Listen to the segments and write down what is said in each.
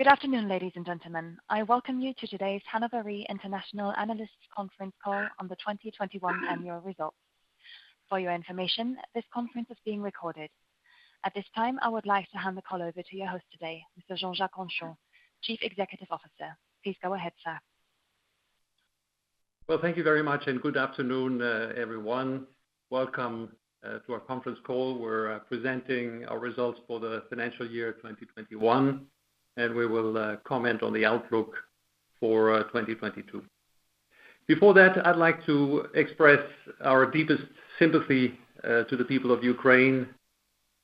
Good afternoon, ladies and gentlemen. I welcome you to today's Hannover Re International Analysts Conference Call on the 2021 annual results. For your information, this conference is being recorded. At this time, I would like to hand the call over to your host today, Mr. Jean-Jacques Henchoz, Chief Executive Officer. Please go ahead, sir. Well, thank you very much, and good afternoon, everyone. Welcome to our conference call. We're presenting our results for the financial year 2021, and we will comment on the outlook for 2022. Before that, I'd like to express our deepest sympathy to the people of Ukraine.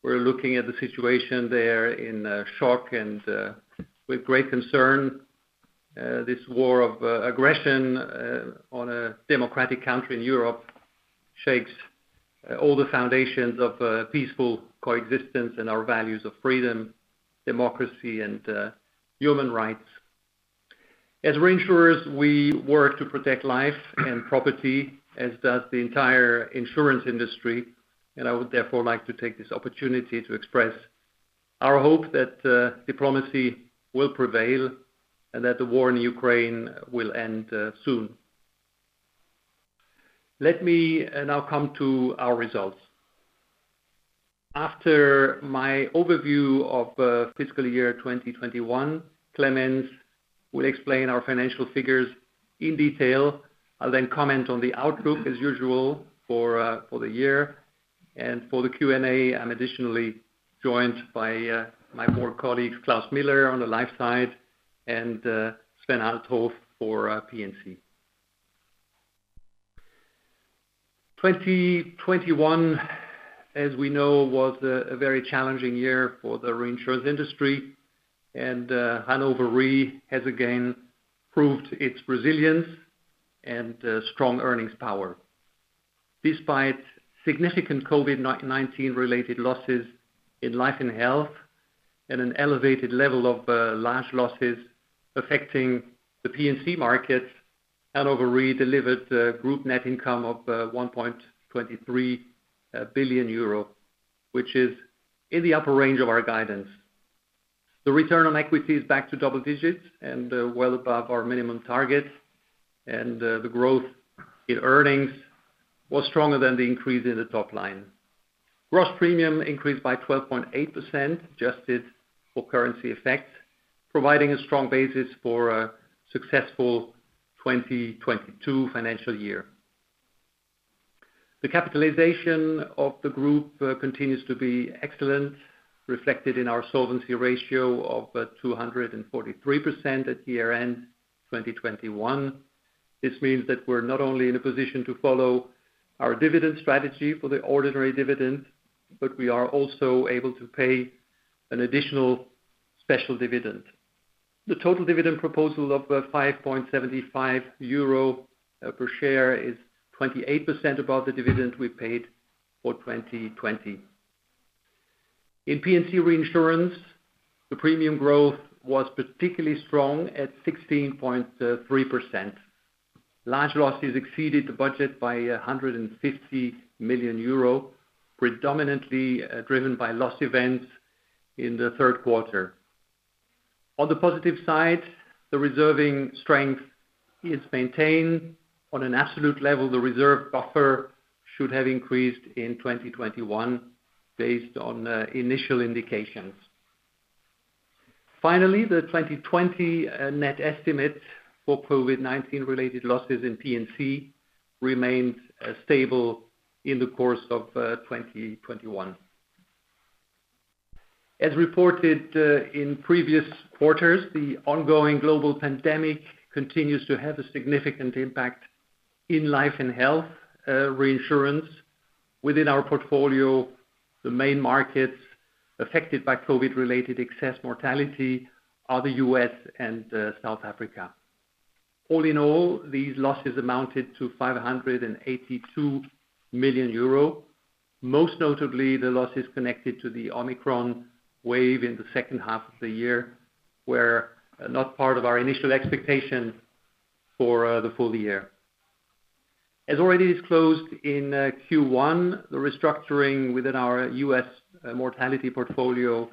We're looking at the situation there in shock and with great concern. This war of aggression on a democratic country in Europe shakes all the foundations of peaceful coexistence and our values of freedom, democracy, and human rights. As reinsurers, we work to protect life and property, as does the entire insurance industry, and I would therefore like to take this opportunity to express our hope that diplomacy will prevail and that the war in Ukraine will end soon. Let me now come to our results. After my overview of fiscal year 2021, Clemens will explain our financial figures in detail. I'll then comment on the outlook as usual for the year. For the Q&A, I'm additionally joined by my board colleagues, Klaus Miller on the life side and Sven Althoff for P&C. 2021, as we know, was a very challenging year for the reinsurance industry, and Hannover Re has again proved its resilience and strong earnings power. Despite significant COVID-19-related losses in life and health and an elevated level of large losses affecting the P&C markets, Hannover Re delivered group net income of 1.23 billion euro, which is in the upper range of our guidance. The return on equity is back to double digits and well above our minimum targets, and the growth in earnings was stronger than the increase in the top line. Gross premium increased by 12.8% adjusted for currency effect, providing a strong basis for a successful 2022 financial year. The capitalization of the group continues to be excellent, reflected in our solvency ratio of 243% at year-end 2021. This means that we're not only in a position to follow our dividend strategy for the ordinary dividend, but we are also able to pay an additional special dividend. The total dividend proposal of 5.75 euro per share is 28% above the dividend we paid for 2020. In P&C reinsurance, the premium growth was particularly strong at 16.3%. Large losses exceeded the budget by 150 million euro, predominantly driven by loss events in the third quarter. On the positive side, the reserving strength is maintained. On an absolute level, the reserve buffer should have increased in 2021 based on initial indications. Finally, the 2020 net estimate for COVID-19-related losses in P&C remained stable in the course of 2021. As reported in previous quarters, the ongoing global pandemic continues to have a significant impact in life and health reinsurance. Within our portfolio, the main markets affected by COVID-related excess mortality are the U.S. and South Africa. All in all, these losses amounted to 582 million euro. Most notably, the losses connected to the Omicron wave in the second half of the year were not part of our initial expectation for the full year. As already disclosed in Q1, the restructuring within our U.S. mortality portfolio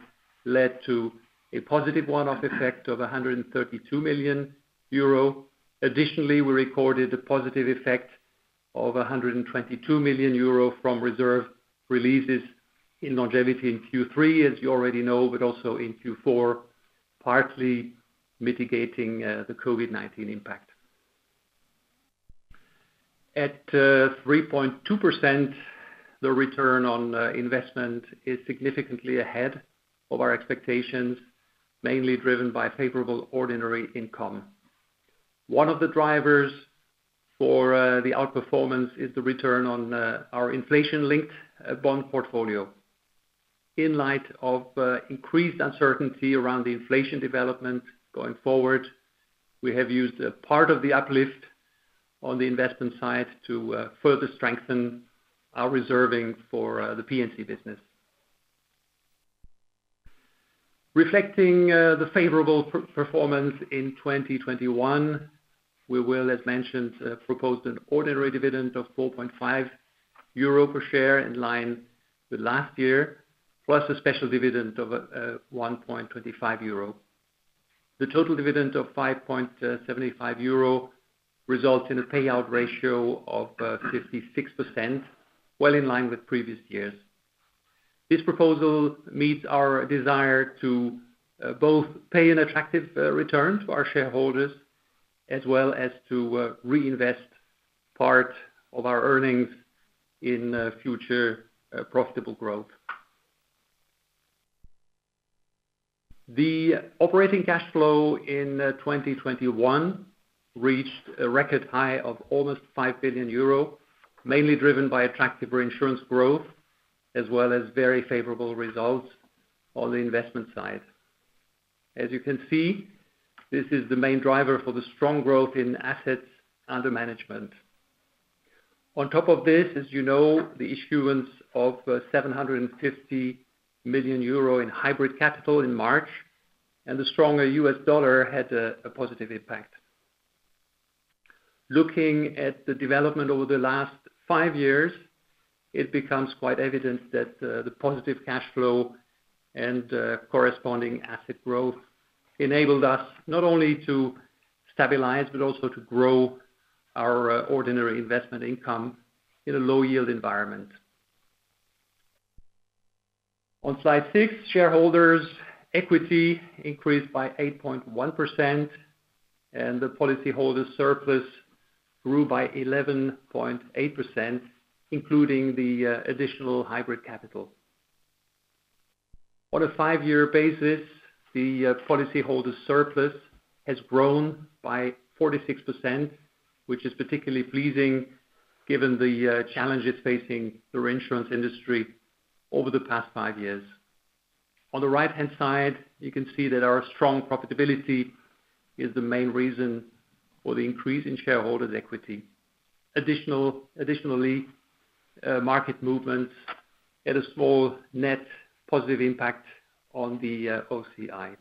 led to a positive one-off effect of 132 million euro. Additionally, we recorded a positive effect of 122 million euro from reserve releases in longevity in Q3, as you already know, but also in Q4, partly mitigating the COVID-19 impact. At 3.2%, the return on investment is significantly ahead of our expectations, mainly driven by favorable ordinary income. One of the drivers for the outperformance is the return on our inflation-linked bond portfolio. In light of increased uncertainty around the inflation development going forward, we have used a part of the uplift on the investment side to further strengthen our reserving for the P&C business. Reflecting the favorable per-performance in 2021, we will, as mentioned, propose an ordinary dividend of 4.5 euro per share in line with last year, plus a special dividend of 1.25 euro. The total dividend of 5.75 euro results in a payout ratio of 56%, well in line with previous years. This proposal meets our desire to both pay an attractive return to our shareholders, as well as to reinvest part of our earnings in future profitable growth. The operating cash flow in 2021 reached a record high of almost 5 billion euro, mainly driven by attractive reinsurance growth, as well as very favorable results on the investment side. As you can see, this is the main driver for the strong growth in assets under management. On top of this, as you know, the issuance of 750 million euro in hybrid capital in March, and the stronger U.S. Dollar had a positive impact. Looking at the development over the last five years, it becomes quite evident that the positive cash flow and corresponding asset growth enabled us not only to stabilize, but also to grow our ordinary investment income in a low yield environment. On slide six, shareholders equity increased by 8.1%, and the policyholder surplus grew by 11.8%, including the additional hybrid capital. On a five year basis, the policyholder surplus has grown by 46%, which is particularly pleasing given the challenges facing the reinsurance industry over the past five years. On the right-hand side, you can see that our strong profitability is the main reason for the increase in shareholders' equity. Additionally, market movements had a small net positive impact on the OCI.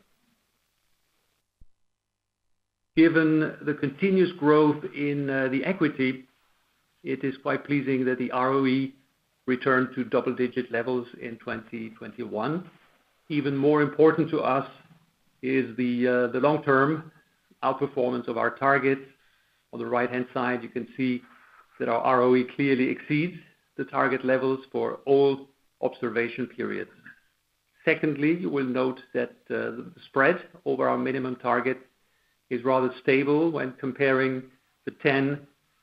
Given the continuous growth in the equity, it is quite pleasing that the ROE returned to double-digit levels in 2021. Even more important to us is the long-term outperformance of our targets. On the right-hand side, you can see that our ROE clearly exceeds the target levels for all observation periods. Secondly, you will note that the spread over our minimum target is rather stable when comparing the 10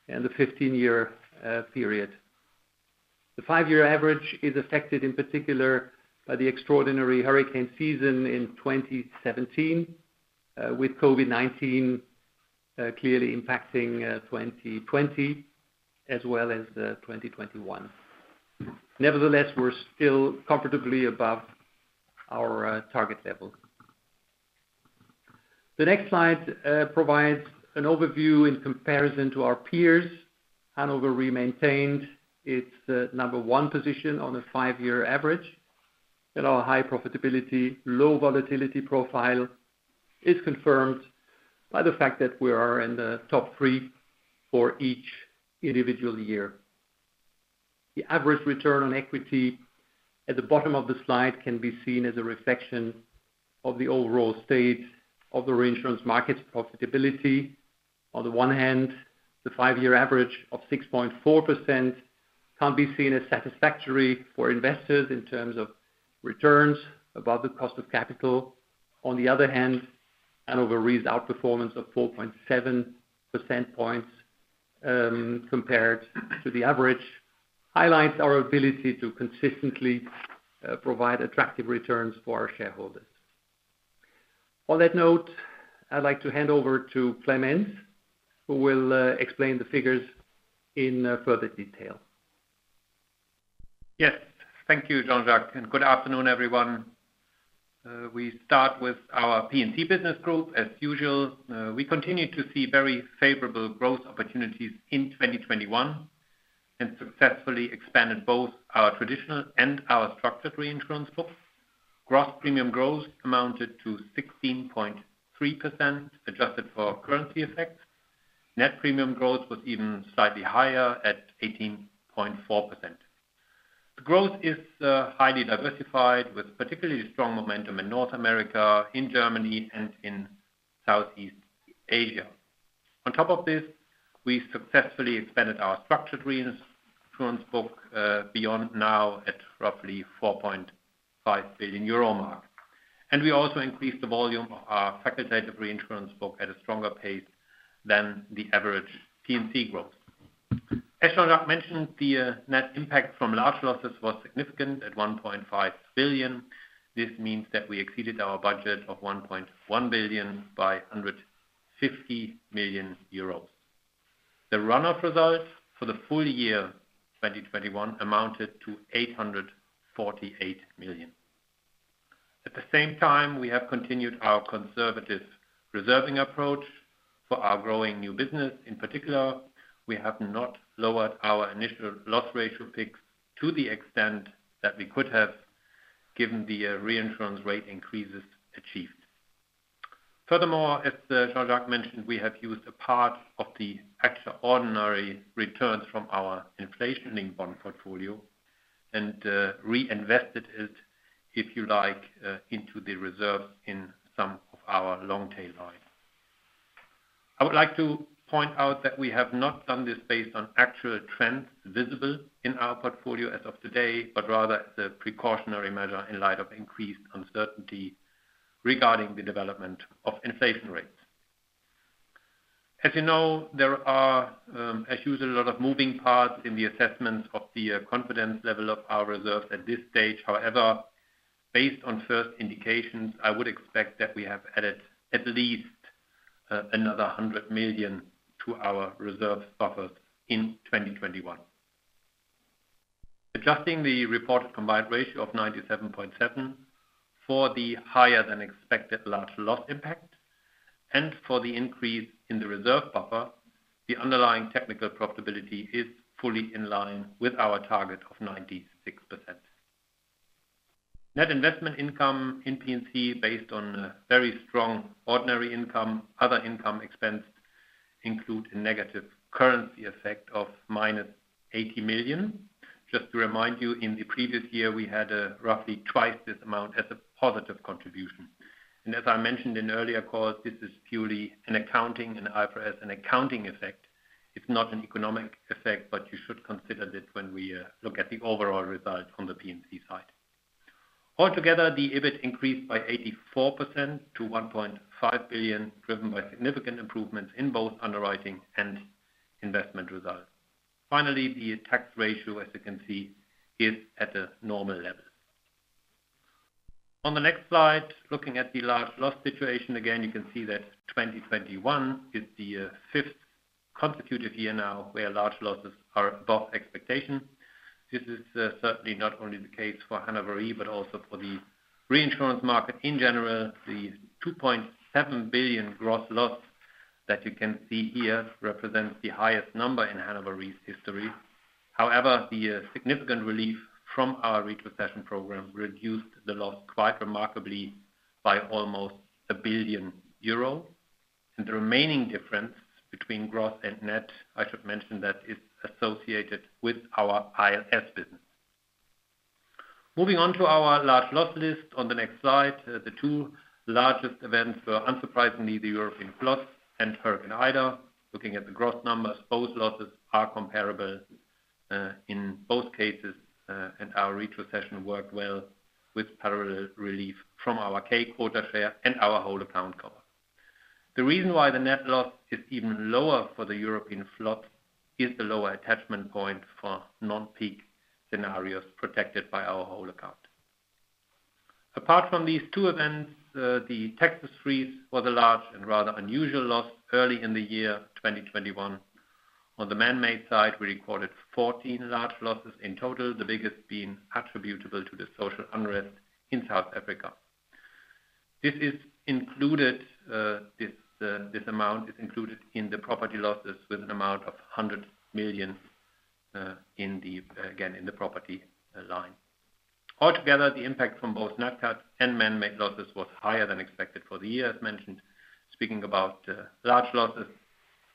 and the 15 year period. The five year average is affected, in particular, by the extraordinary hurricane season in 2017, with COVID-19 clearly impacting 2020 as well as 2021. Nevertheless, we're still comfortably above our target level. The next slide provides an overview in comparison to our peers. Hannover Re maintained its number one position on a five-year average. Our high profitability, low volatility profile is confirmed by the fact that we are in the top three for each individual year. The average return on equity at the bottom of the slide can be seen as a reflection of the overall state of the reinsurance market's profitability. On the one hand, the five-year average of 6.4% can't be seen as satisfactory for investors in terms of returns above the cost of capital. On the other hand, Hannover Re's outperformance of 4.7 percentage points compared to the average highlights our ability to consistently provide attractive returns for our shareholders. On that note, I'd like to hand over to Clemens, who will explain the figures in further detail. Yes. Thank you, Jean-Jacques, and good afternoon, everyone. We start with our P&C business group. As usual, we continue to see very favorable growth opportunities in 2021, and successfully expanded both our traditional and our structured reinsurance books. Gross premium growth amounted to 16.3%, adjusted for currency effects. Net premium growth was even slightly higher at 18.4%. The growth is highly diversified, with particularly strong momentum in North America, in Germany, and in Southeast Asia. On top of this, we successfully expanded our structured reinsurance book beyond now at roughly 4.5 billion euro. We also increased the volume of our facultative reinsurance book at a stronger pace than the average P&C growth. As Jean-Jacques mentioned, the net impact from large losses was significant at 1.5 billion. This means that we exceeded our budget of 1.1 billion by 150 million euros. The run-up results for the full year 2021 amounted to 848 million. At the same time, we have continued our conservative reserving approach for our growing new business. In particular, we have not lowered our initial loss ratio picks to the extent that we could have, given the reinsurance rate increases achieved. Furthermore, as Jean-Jacques mentioned, we have used a part of the extraordinary returns from our inflation-linked bond portfolio and reinvested it, if you like, into the reserves in some of our long tail lines. I would like to point out that we have not done this based on actual trends visible in our portfolio as of today, but rather as a precautionary measure in light of increased uncertainty regarding the development of inflation rates. As you know, there are, as usual, a lot of moving parts in the assessment of the confidence level of our reserves at this stage. However, based on first indications, I would expect that we have added at least another 100 million to our reserve buffer in 2021. Adjusting the reported combined ratio of 97.7 for the higher than expected large loss impact and for the increase in the reserve buffer, the underlying technical profitability is fully in line with our target of 96%. Net investment income in P&C, based on very strong ordinary income. Other income & expense include a negative currency effect of -80 million. Just to remind you, in the previous year, we had roughly twice this amount as a positive contribution. As I mentioned in earlier calls, this is purely an accounting, in IFRS, an accounting effect. It's not an economic effect, but you should consider this when we look at the overall results from the P&C side. Altogether, the EBIT increased by 84% to 1.5 billion, driven by significant improvements in both underwriting and investment results. Finally, the tax ratio, as you can see, is at a normal level. On the next slide, looking at the large loss situation, again, you can see that 2021 is the fifth consecutive year now where large losses are above expectation. This is certainly not only the case for Hannover Re, but also for the reinsurance market in general. The 2.7 billion gross loss that you can see here represents the highest number in Hannover Re's history. However, the significant relief from our retrocession program reduced the loss quite remarkably by almost 1 billion euro. The remaining difference between gross and net, I should mention that it's associated with our ILS business. Moving on to our large loss list on the next slide. The two largest events were unsurprisingly, the European floods and Hurricane Ida. Looking at the gross numbers, both losses are comparable, in both cases, and our retrocession worked well with parallel relief from our K-Quota Share and our whole account cover. The reason why the net loss is even lower for the European flood is the lower attachment point for non-peak scenarios protected by our whole account. Apart from these two events, the Texas freeze was a large and rather unusual loss early in the year 2021. On the man-made side, we recorded 14 large losses in total, the biggest being attributable to the social unrest in South Africa. This amount is included in the property losses with an amount of 100 million in the property line. Altogether, the impact from both nat cat and man-made losses was higher than expected for the year as mentioned. Speaking about large losses,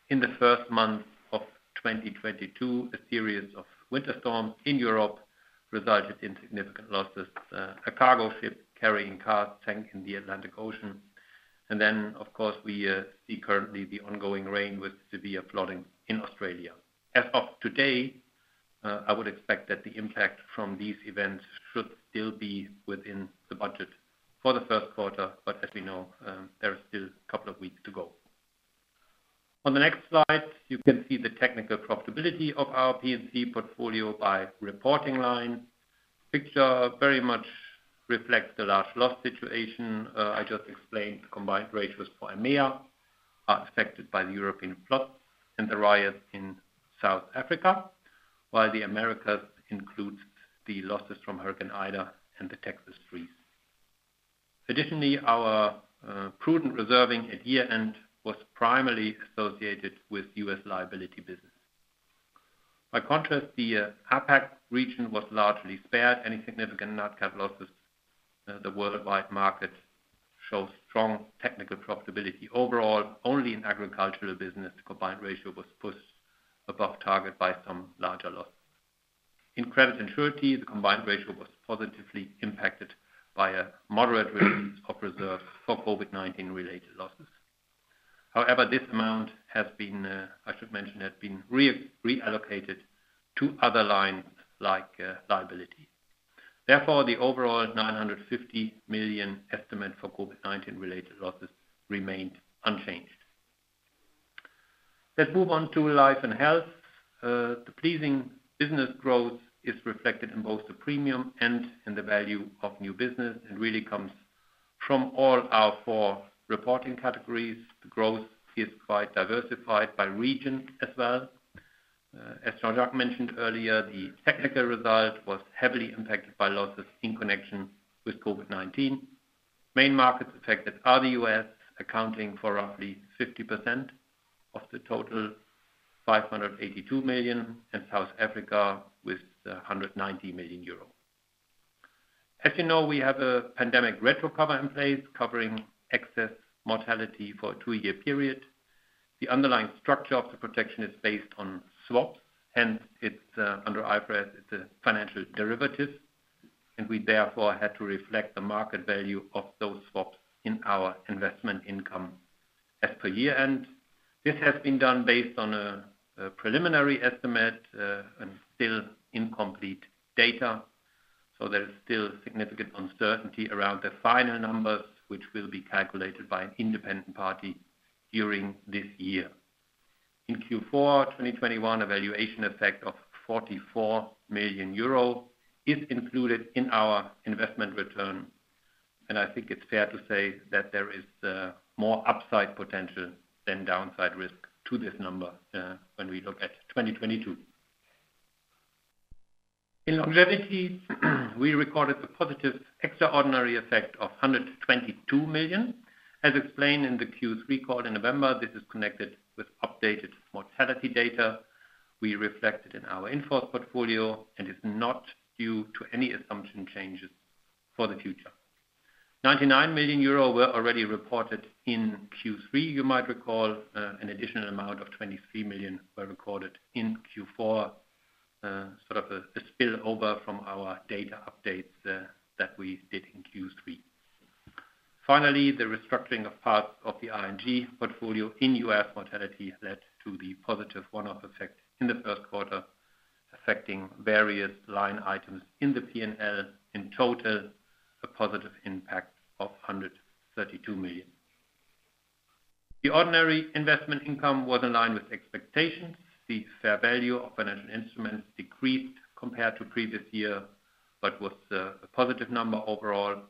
in the first month of 2022, a series of winter storms in Europe resulted in significant losses. A cargo ship carrying cars sank in the Atlantic Ocean. Then, of course, we see currently the ongoing rain with severe flooding in Australia. As of today, I would expect that the impact from these events should still be within the budget for the first quarter, but as we know, there are still a couple of weeks to go. On the next slide, you can see the technical profitability of our P&C portfolio by reporting line. Picture very much reflects the large loss situation I just explained. The combined ratios for EMEA are affected by the European floods and the riot in South Africa, while the Americas includes the losses from Hurricane Ida and the Texas freeze. Additionally, our prudent reserving at year-end was primarily associated with U.S. liability business. By contrast, the APAC region was largely spared any significant nat cat losses. The worldwide market shows strong technical profitability overall. Only in agricultural business, the combined ratio was pushed above target by some larger losses. In Credit and Surety, the combined ratio was positively impacted by a moderate release of reserve for COVID-19 related losses. However, this amount has been, I should mention, reallocated to other lines, like, liability. Therefore, the overall 950 million estimate for COVID-19 related losses remained unchanged. Let's move on to Life and Health. The pleasing business growth is reflected in both the premium and in the value of new business, and really comes from all our four reporting categories. The growth is quite diversified by region as well. As Jean-Jacques mentioned earlier, the technical result was heavily impacted by losses in connection with COVID-19. Main markets affected are the U.S., accounting for roughly 50% of the total 582 million, and South Africa with 190 million euro. As you know, we have a pandemic retro cover in place, covering excess mortality for a two-year period. The underlying structure of the protection is based on swaps, hence it's under IFRS, it's a financial derivative, and we therefore had to reflect the market value of those swaps in our investment income as per year. This has been done based on a preliminary estimate and still incomplete data. There is still significant uncertainty around the final numbers, which will be calculated by an independent party during this year. In Q4 2021, a valuation effect of 44 million euro is included in our investment return. I think it's fair to say that there is more upside potential than downside risk to this number when we look at 2022. In longevity, we recorded a positive extraordinary effect of 122 million. As explained in the Q3 call in November, this is connected with updated mortality data we reflected in our in-force portfolio, and is not due to any assumption changes for the future. 99 million euro were already reported in Q3, you might recall. An additional amount of 23 million were recorded in Q4, sort of a spillover from our data updates that we did in Q3. Finally, the restructuring of parts of the ING portfolio in U.S. mortality led to the positive one-off effect in the first quarter, affecting various line items in the P&L. In total, a positive impact of 132 million. The ordinary investment income was in line with expectations. The fair value of financial instruments decreased compared to previous year, but was a positive number overall.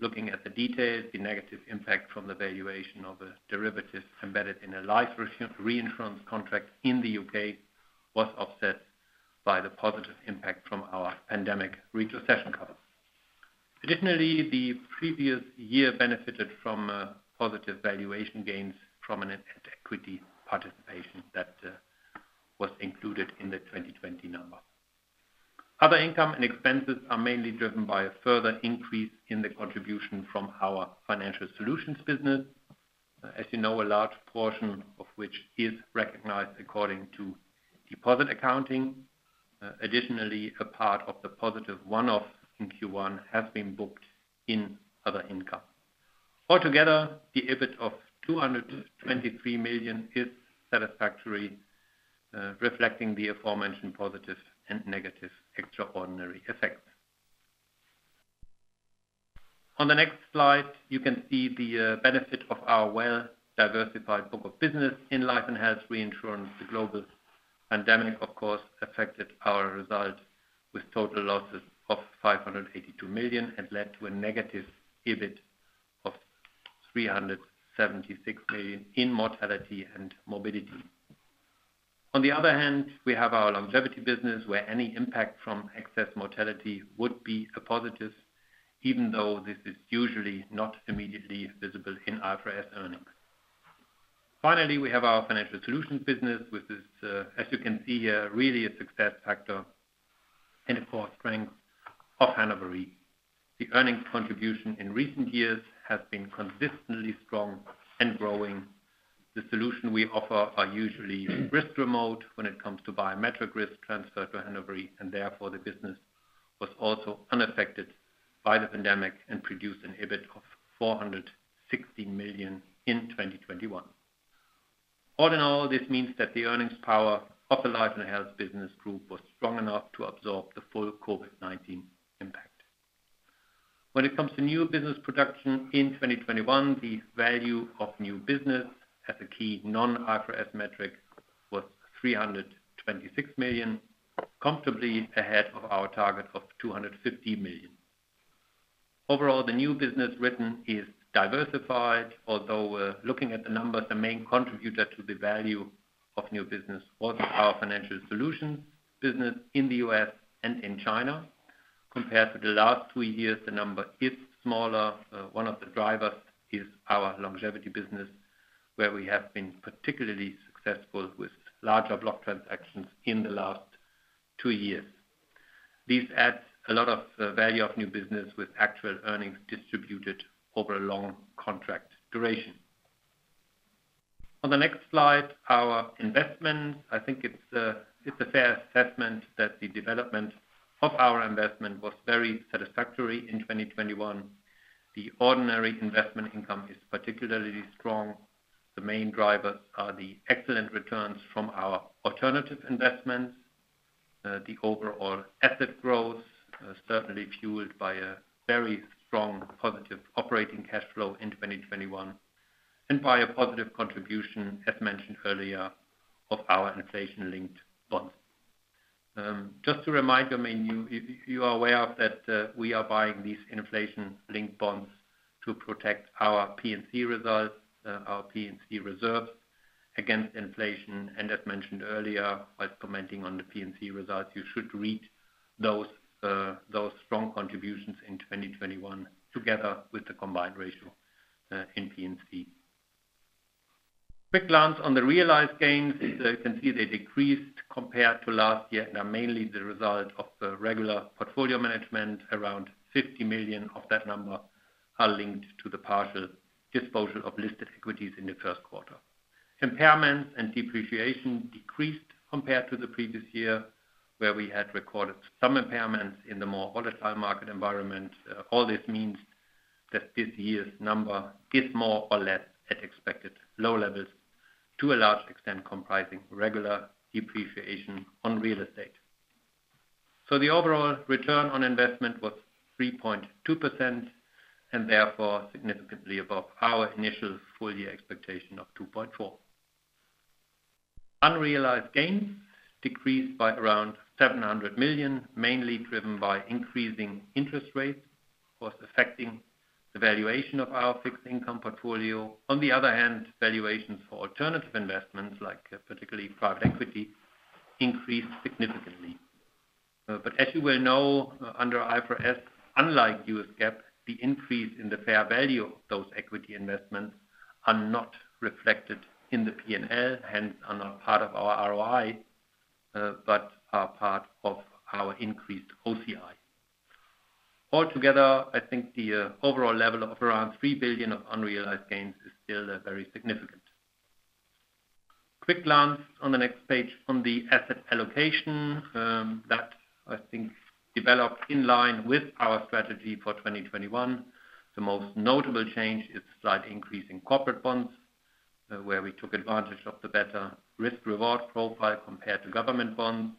Looking at the details, the negative impact from the valuation of the derivatives embedded in a life reinsurance contract in the U.K. was offset by the positive impact from our pandemic retrocession cover. Additionally, the previous year benefited from positive valuation gains from an equity participation that was included in the 2020 number. Other income and expenses are mainly driven by a further increase in the contribution from our Financial Solutions business. As you know, a large portion of which is recognized according to deposit accounting. Additionally, a part of the positive one-off in Q1 has been booked in other income. Altogether, the EBIT of 223 million is satisfactory, reflecting the aforementioned positive and negative extraordinary effects. On the next slide, you can see the benefit of our well-diversified book of business in life and health reinsurance. The global pandemic, of course, affected our results with total losses of 582 million, and led to a negative EBIT of 376 million in mortality and morbidity. On the other hand, we have our longevity business, where any impact from excess mortality would be a positive, even though this is usually not immediately visible in IFRS earnings. Finally, we have our financial solutions business, which is, as you can see here, really a success factor and a core strength of Hannover Re. The earnings contribution in recent years has been consistently strong and growing. The solution we offer are usually risk remote when it comes to biometric risk transfer to Hannover Re, and therefore the business was also unaffected by the pandemic and produced an EBIT of 460 million in 2021. All in all, this means that the earnings power of the life and health business group was strong enough to absorb the full COVID-19 impact. When it comes to new business production in 2021, the value of new business as a key non-IFRS metric was 326 million, comfortably ahead of our target of 250 million. Overall, the new business written is diversified, although, looking at the numbers, the main contributor to the value of new business was our financial solutions business in the U.S. and in China. Compared to the last three years, the number is smaller. One of the drivers is our longevity business, where we have been particularly successful with larger block transactions in the last two years. This adds a lot of value of new business with actual earnings distributed over a long contract duration. On the next slide, our investment. I think it's a fair assessment that the development of our investment was very satisfactory in 2021. The ordinary investment income is particularly strong. The main drivers are the excellent returns from our alternative investments. The overall asset growth certainly fueled by a very strong positive operating cash flow in 2021, and by a positive contribution, as mentioned earlier, of our inflation-linked bonds. Just to remind you, many of you are aware that we are buying these inflation-linked bonds to protect our P&C results, our P&C reserves against inflation. As mentioned earlier, while commenting on the P&C results, you should read those strong contributions in 2021 together with the combined ratio in P&C. Quick glance on the realized gains. As you can see, they decreased compared to last year, and are mainly the result of the regular portfolio management. Around 50 million of that number are linked to the partial disposal of listed equities in the first quarter. Impairments and depreciation decreased compared to the previous year, where we had recorded some impairments in the more volatile market environment. All this means that this year's number is more or less at expected low levels, to a large extent comprising regular depreciation on real estate. The overall return on investment was 3.2%, and therefore significantly above our initial full year expectation of 2.4%. Unrealized gains decreased by around 700 million, mainly driven by increasing interest rates, of course, affecting the valuation of our fixed income portfolio. On the other hand, valuations for alternative investments, like particularly private equity, increased significantly. As you well know, under IFRS, unlike U.S. GAAP, the increase in the fair value of those equity investments are not reflected in the P&L, hence are not part of our ROI, but are part of our increased OCI. Altogether, I think the overall level of around 3 billion of unrealized gains is still very significant. Quick glance on the next page on the asset allocation that I think developed in line with our strategy for 2021. The most notable change is slight increase in corporate bonds where we took advantage of the better risk reward profile compared to government bonds.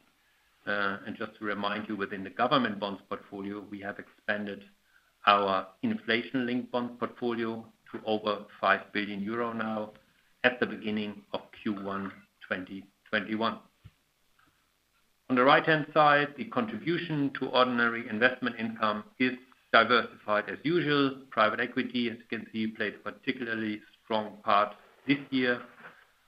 Just to remind you, within the government bonds portfolio, we have expanded our inflation-linked bonds portfolio to over 5 billion euro now at the beginning of Q1 2021. On the right-hand side, the contribution to ordinary investment income is diversified as usual. Private equity, as you can see, played a particularly strong part this year.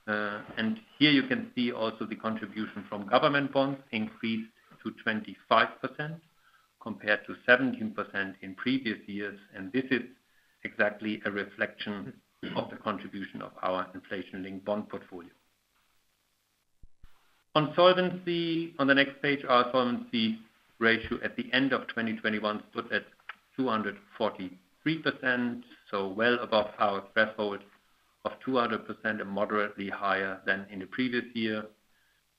Here you can see also the contribution from government bonds increased to 25% compared to 17% in previous years. This is exactly a reflection of the contribution of our inflation-linked bonds portfolio. On solvency, on the next page, our solvency ratio at the end of 2021 stood at 243%, so well above our threshold of 200% and moderately higher than in the previous year.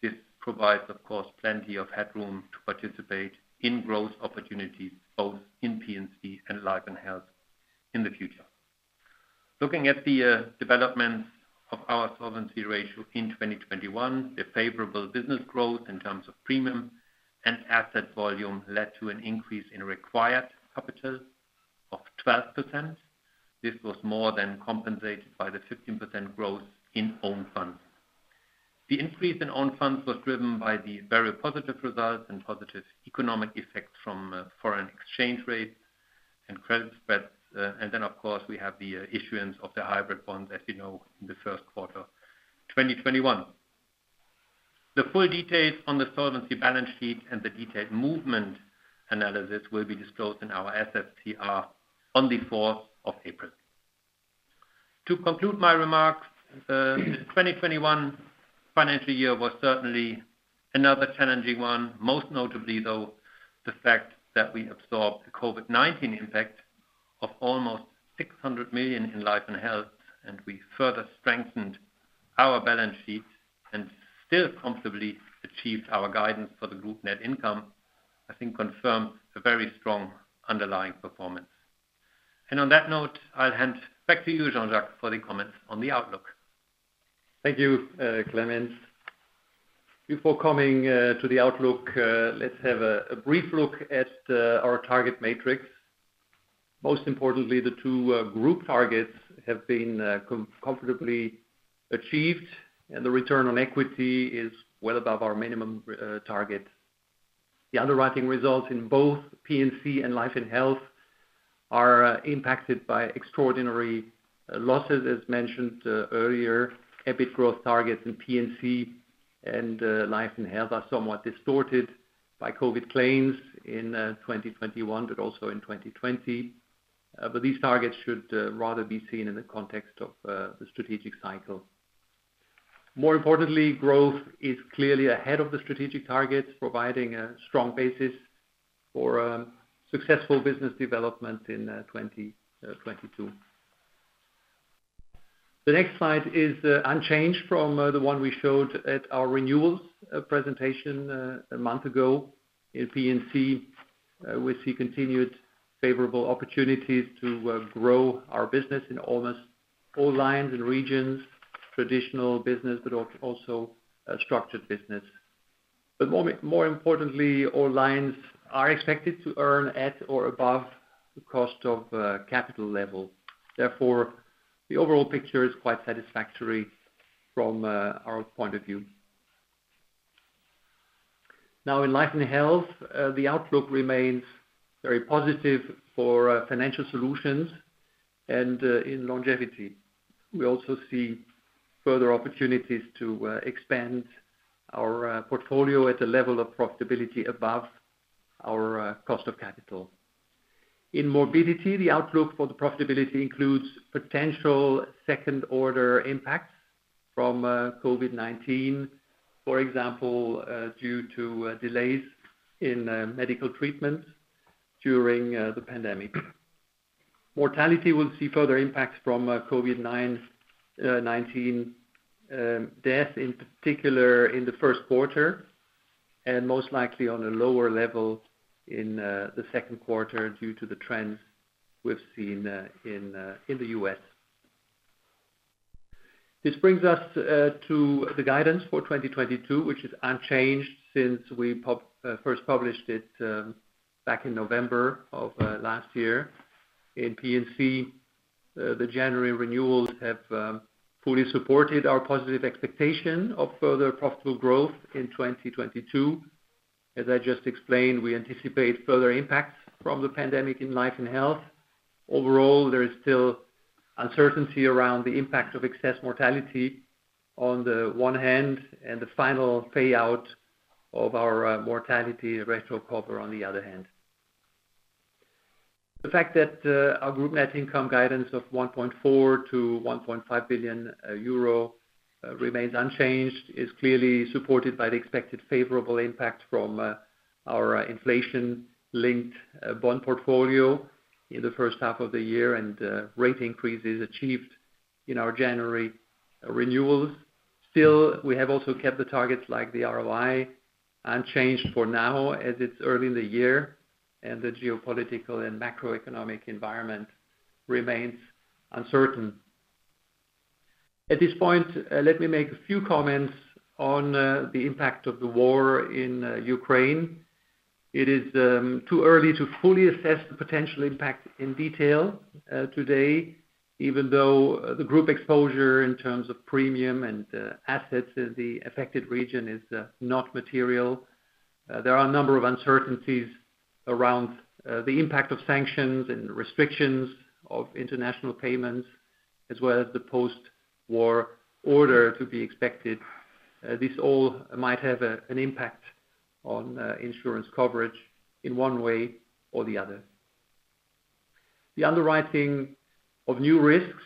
This provides, of course, plenty of headroom to participate in growth opportunities, both in P&C and Life and Health in the future. Looking at the developments of our solvency ratio in 2021, the favorable business growth in terms of premium and asset volume led to an increase in required capital of 12%. This was more than compensated by the 15% growth in own funds. The increase in own funds was driven by the very positive results and positive economic effects from foreign exchange rates and credit spreads. And then of course, we have the issuance of the hybrid bonds, as you know, in the first quarter 2021. The full details on the solvency balance sheet and the detailed movement analysis will be disclosed in our SFCR on 4th April. To conclude my remarks, 2021 financial year was certainly another challenging one. Most notably, though, the fact that we absorbed the COVID-19 impact of almost 600 million in life and health, and we further strengthened our balance sheet and still comfortably achieved our guidance for the group net income, I think confirms a very strong underlying performance. On that note, I'll hand back to you, Jean-Jacques, for the comments on the outlook. Thank you, Clemens. Before coming to the outlook, let's have a brief look at our target matrix. Most importantly, the two group targets have been comfortably achieved, and the return on equity is well above our minimum target. The underwriting results in both P&C and life and health are impacted by extraordinary losses, as mentioned earlier. EBIT growth targets in P&C and life and health are somewhat distorted by COVID claims in 2021, but also in 2020. These targets should rather be seen in the context of the strategic cycle. More importantly, growth is clearly ahead of the strategic targets, providing a strong basis for successful business development in 2022. The next slide is unchanged from the one we showed at our renewals presentation a month ago. In P&C, we see continued favorable opportunities to grow our business in almost all lines and regions, traditional business, but also structured business. More importantly, all lines are expected to earn at or above the cost of capital level. Therefore, the overall picture is quite satisfactory from our point of view. Now in life and health, the outlook remains very positive for financial solutions and in longevity. We also see further opportunities to expand our portfolio at a level of profitability above our cost of capital. In morbidity, the outlook for the profitability includes potential second order impact from COVID-19, for example, due to delays in medical treatment during the pandemic. Mortality will see further impacts from COVID-19 deaths, in particular in the first quarter, and most likely on a lower level in the second quarter due to the trends we've seen in the U.S. This brings us to the guidance for 2022, which is unchanged since we first published it back in November of last year. In P&C, the January renewals have fully supported our positive expectation of further profitable growth in 2022. As I just explained, we anticipate further impacts from the pandemic in life and health. Overall, there is still uncertainty around the impact of excess mortality on the one hand, and the final payout of our mortality retro cover on the other hand. The fact that our group net income guidance of 1.4 billion-1.5 billion euro remains unchanged is clearly supported by the expected favorable impact from our inflation-linked bond portfolio in the first half of the year and rate increases achieved in our January renewals. Still, we have also kept the targets like the ROI unchanged for now as it's early in the year and the geopolitical and macroeconomic environment remains uncertain. At this point, let me make a few comments on the impact of the war in Ukraine. It is too early to fully assess the potential impact in detail today, even though the group exposure in terms of premium and assets in the affected region is not material. There are a number of uncertainties around the impact of sanctions and restrictions of international payments, as well as the post-war order to be expected. This all might have an impact on insurance coverage in one way or the other. The underwriting of new risks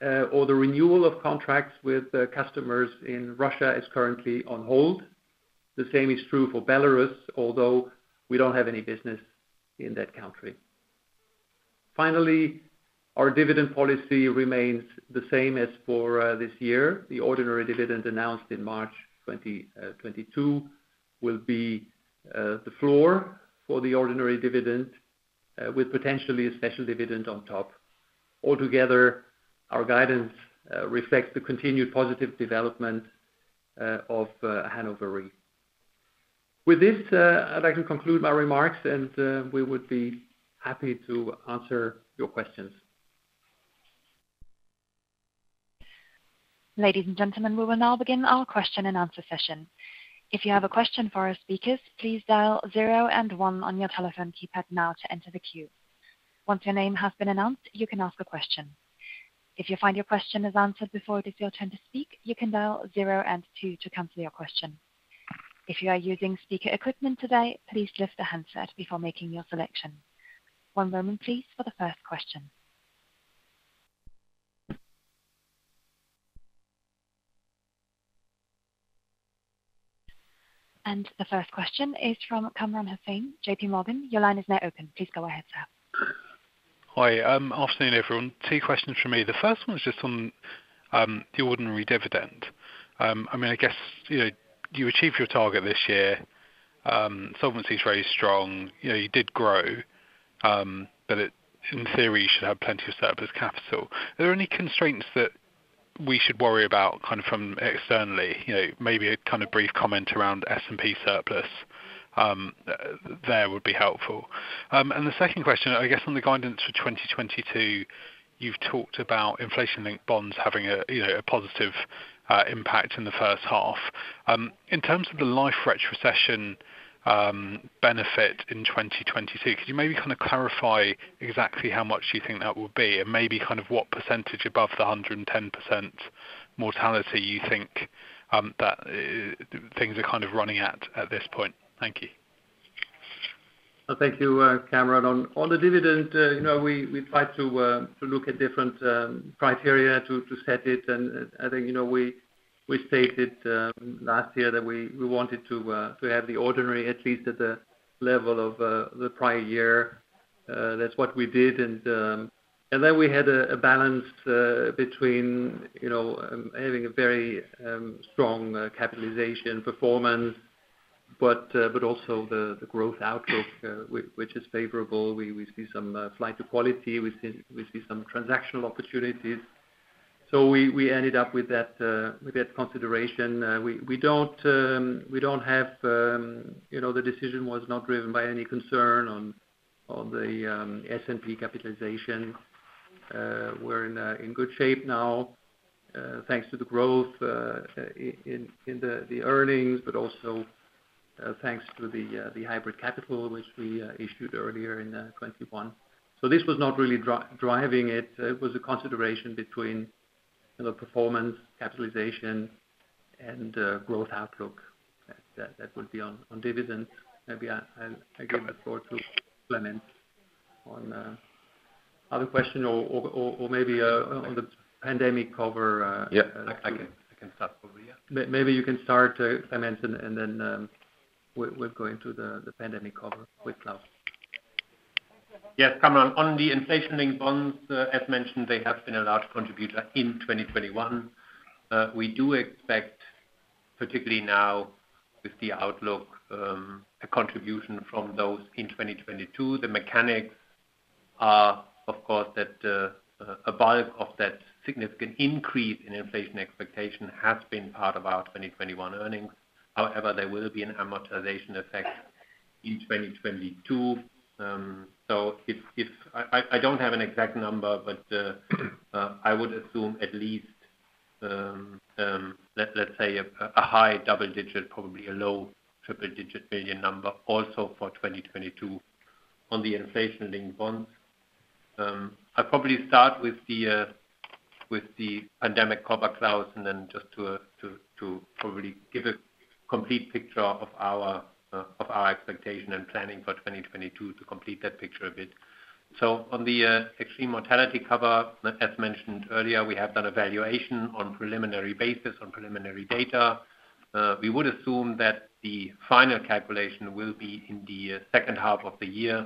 or the renewal of contracts with customers in Russia is currently on hold. The same is true for Belarus, although we don't have any business in that country. Finally, our dividend policy remains the same as for this year. The ordinary dividend announced in March 2022 will be the floor for the ordinary dividend with potentially a special dividend on top. Altogether, our guidance reflects the continued positive development of Hannover Re. With this, I'd like to conclude my remarks and we would be happy to answer your questions. Ladies and gentlemen, we will now begin our question and answer session. If you have a question for our speakers, please dial zero and one on your telephone keypad now to enter the queue. Once your name has been announced, you can ask a question. If you find your question is answered before it is your turn to speak, you can dial zero and two to cancel your question. If you are using speaker equipment today, please lift the handset before making your selection. One moment please for the first question. The first question is from Kamran Hossain, JPMorgan. Your line is now open. Please go ahead, sir. Hi. Afternoon, everyone. Two questions from me. The first one is just on the ordinary dividend. I mean, I guess, you know, you achieved your target this year. Solvency is very strong. You know, you did grow, but it, in theory, you should have plenty of surplus capital. Are there any constraints that we should worry about kind of from externally? You know, maybe a kind of brief comment around S&P surplus, there would be helpful. The second question, I guess on the guidance for 2022, you've talked about inflation-linked bonds having a, you know, a positive impact in the first half. In terms of the life retrocession benefit in 2022, could you maybe kind of clarify exactly how much you think that will be? Maybe kind of what percentage above the 110% mortality you think that things are kind of running at this point? Thank you. Thank you, Kamran. On the dividend, you know, we try to look at different criteria to set it. I think, you know, we stated last year that we wanted to have the ordinary at least at the level of the prior year. That's what we did. Then we had a balance between, you know, having a very strong capitalization performance, but also the growth outlook, which is favorable. We see some flight to quality. We see some transactional opportunities. We ended up with that consideration. We don't have, you know, the decision was not driven by any concern on the S&P capitalization. We're in good shape now, thanks to the growth in the earnings, but also thanks to the hybrid capital which we issued earlier in 2021. This was not really driving it. It was a consideration between, you know, performance, capitalization. Growth outlook. That would be on dividends. Maybe I'll give a floor to Clemens on other question or maybe on the pandemic cover. Yeah, I can start probably, yeah. Maybe you can start, Clemens, and then we'll go into the pandemic cover with Klaus. Yes, coming on the inflation-linked bonds, as mentioned, they have been a large contributor in 2021. We do expect, particularly now with the outlook, a contribution from those in 2022. The mechanics are, of course, that a bulk of that significant increase in inflation expectation has been part of our 2021 earnings. However, there will be an amortization effect in 2022. I don't have an exact number, but I would assume at least, let's say a high double digit, probably a low triple digit billion number also for 2022 on the inflation-linked bonds. I'll probably start with the pandemic cover, Klaus, and then just to probably give a complete picture of our expectation and planning for 2022 to complete that picture a bit. On the extreme mortality cover, as mentioned earlier, we have done a valuation on preliminary basis on preliminary data. We would assume that the final calculation will be in the second half of the year.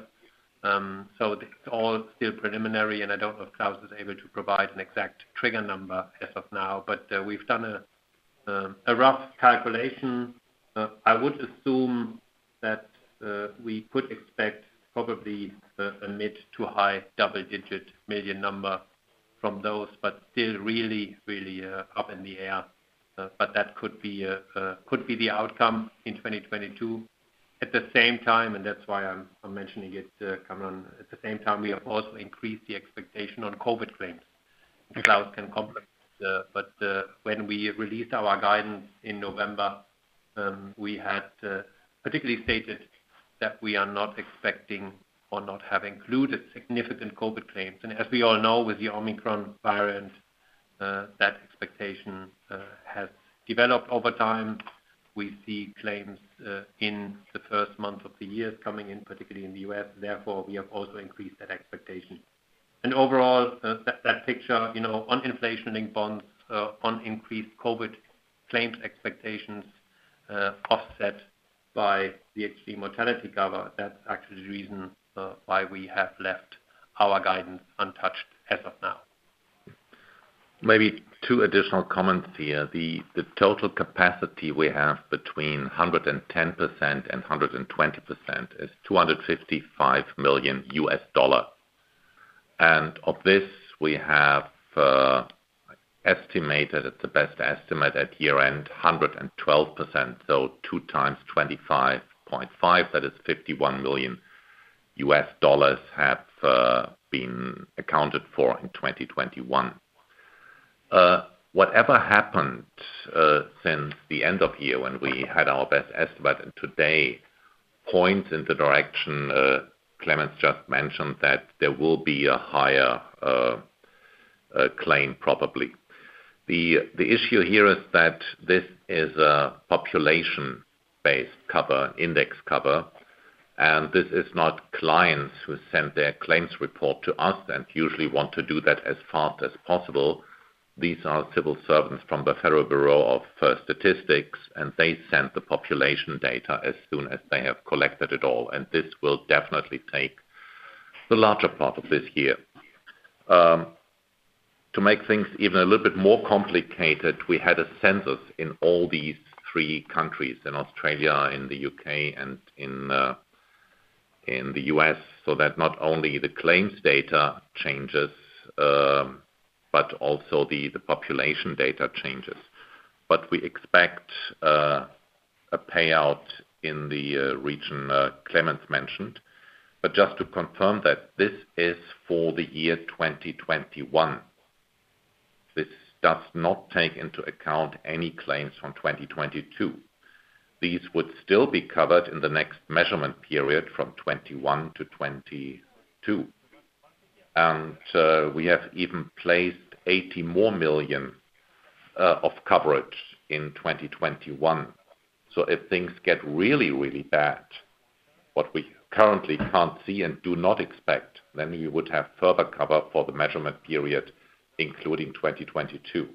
It's all still preliminary, and I don't know if Klaus is able to provide an exact trigger number as of now. We've done a rough calculation. I would assume that we could expect probably a mid- to high double-digit million number from those, but still really up in the air. That could be the outcome in 2022. At the same time, that's why I'm mentioning it, Kamran Hossain, at the same time, we have also increased the expectation on COVID claims. Klaus Miller can comment. When we released our guidance in November, we had particularly stated that we are not expecting or not have included significant COVID claims. As we all know, with the Omicron variant, that expectation has developed over time. We see claims in the first month of the year coming in, particularly in the U.S. Therefore, we have also increased that expectation. Overall, that picture, you know, on inflation-linked bonds, on increased COVID claims expectations, offset by the extreme mortality cover, that's actually the reason why we have left our guidance untouched as of now. Maybe two additional comments here. The total capacity we have between 110% and 120% is $255 million. Of this, we have estimated at the best estimate at year-end 112%. 2x25.5, that is $51 million have been accounted for in 2021. Whatever happened since the end of year when we had our best estimate and today points in the direction Clemens just mentioned that there will be a higher claim probably. The issue here is that this is a population-based cover, index cover, and this is not clients who send their claims report to us and usually want to do that as fast as possible. These are civil servants from the Federal Statistical Office, and they send the population data as soon as they have collected it all, and this will definitely take the larger part of this year. To make things even a little bit more complicated, we had a census in all these three countries, in Australia, in the U.K., and in the U.S., so that not only the claims data changes, but also the population data changes. We expect a payout in the region Clemens mentioned. Just to confirm that this is for the year 2021. This does not take into account any claims from 2022. These would still be covered in the next measurement period from 2021-2022. We have even placed 80 million more of coverage in 2021. If things get really, really bad, what we currently can't see and do not expect, then we would have further cover for the measurement period, including 2022.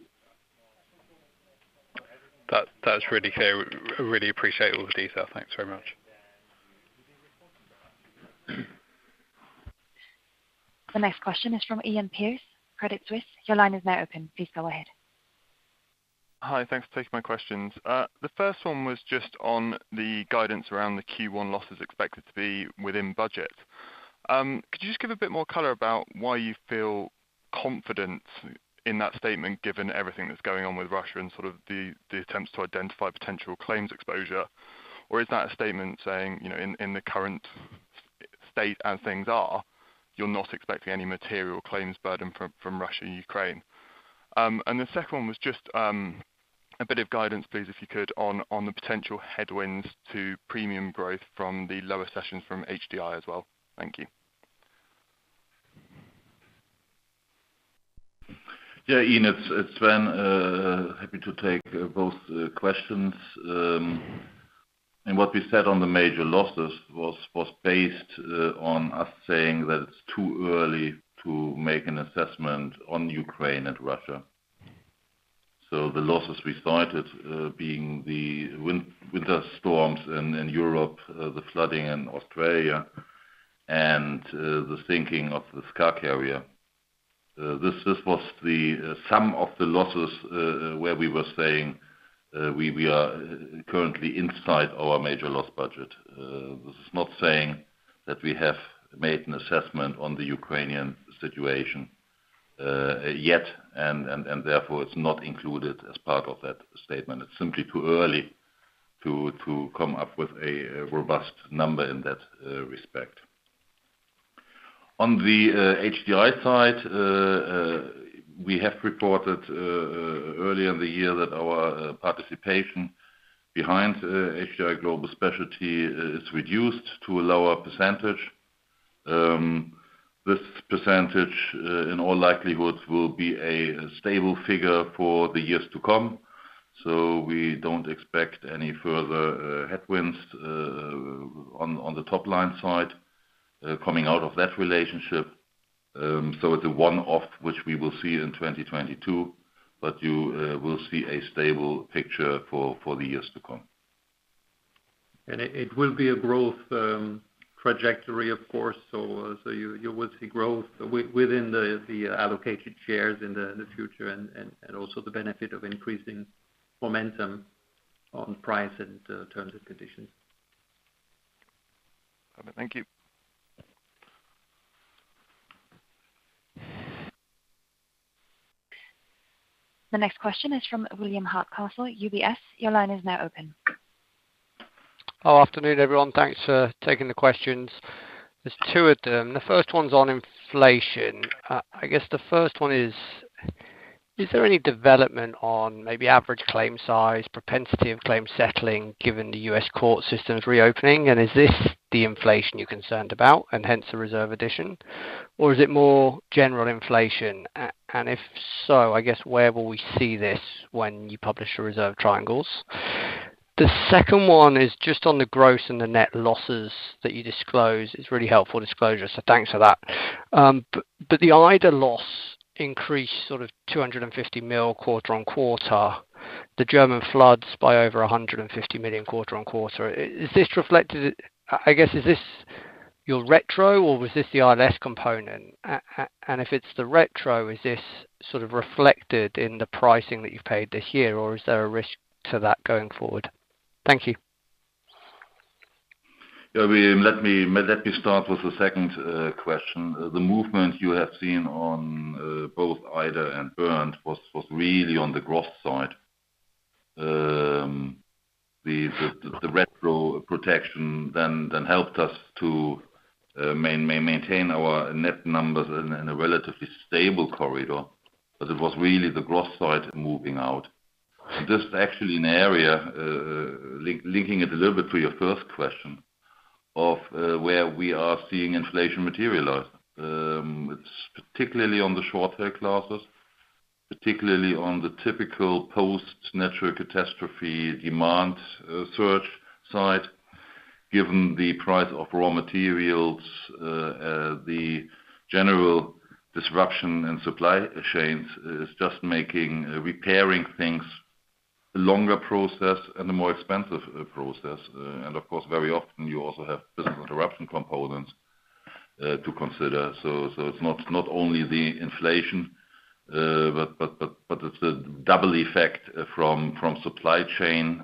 That, that's really clear. Really appreciate all the detail. Thanks very much. The next question is from Iain Pearce, Credit Suisse. Your line is now open. Please go ahead. Hi. Thanks for taking my questions. The first one was just on the guidance around the Q1 losses expected to be within budget. Could you just give a bit more color about why you feel confident in that statement, given everything that's going on with Russia and sort of the attempts to identify potential claims exposure? Or is that a statement saying, you know, in the current state as things are, you're not expecting any material claims burden from Russia and Ukraine? The second one was just a bit of guidance, please, if you could, on the potential headwinds to premium growth from the lower cessions from HDI as well. Thank you. Yeah, Iain, it's Sven. Happy to take both questions. What we said on the major losses was based on us saying that it's too early to make an assessment on Ukraine and Russia. The losses we cited being the winter storms in Europe, the flooding in Australia and the sinking of this car carrier. This was the sum of the losses where we were saying we are currently inside our major loss budget. This is not saying that we have made an assessment on the Ukrainian situation yet, and therefore it's not included as part of that statement. It's simply too early to come up with a robust number in that respect. On the HDI side, we have reported earlier in the year that our participation behind HDI Global Specialty is reduced to a lower percentage. This percentage in all likelihood will be a stable figure for the years to come. We don't expect any further headwinds on the top line side coming out of that relationship. It's a one-off, which we will see in 2022, but you will see a stable picture for the years to come. It will be a growth trajectory of course. You will see growth within the allocated shares in the future and also the benefit of increasing momentum on price and terms and conditions. Thank you. The next question is from William Hardcastle, UBS. Your line is now open. Good afternoon, everyone. Thanks for taking the questions. There's two of them. The first one's on inflation. I guess the first one is there any development on maybe average claim size, propensity of claim settling given the U.S. court system's reopening? And is this the inflation you're concerned about and hence the reserve addition? Or is it more general inflation? And if so, I guess where will we see this when you publish your reserve triangles? The second one is just on the gross and the net losses that you disclose. It's really helpful disclosure, so thanks for that. But the Ida loss increased sort of $250 million quarter-on-quarter. The German floods by over 150 million quarter-on-quarter. Is this reflected, I guess, is this your retro or was this the ILS component? If it's the retro, is this sort of reflected in the pricing that you've paid this year, or is there a risk to that going forward? Thank you. Yeah, William, let me start with the second question. The movement you have seen on both Ida and Bernd was really on the gross side. The retro protection then helped us to maintain our net numbers in a relatively stable corridor, but it was really the gross side moving out. This is actually an area, linking it a little bit to your first question of where we are seeing inflation materialize. It's particularly on the short tail classes, particularly on the typical post-natural catastrophe demand surge side. Given the price of raw materials, the general disruption in supply chains is just making repairing things a longer process and a more expensive process. Of course, very often you also have business interruption components to consider. It's not only the inflation, but it's the double effect from supply chain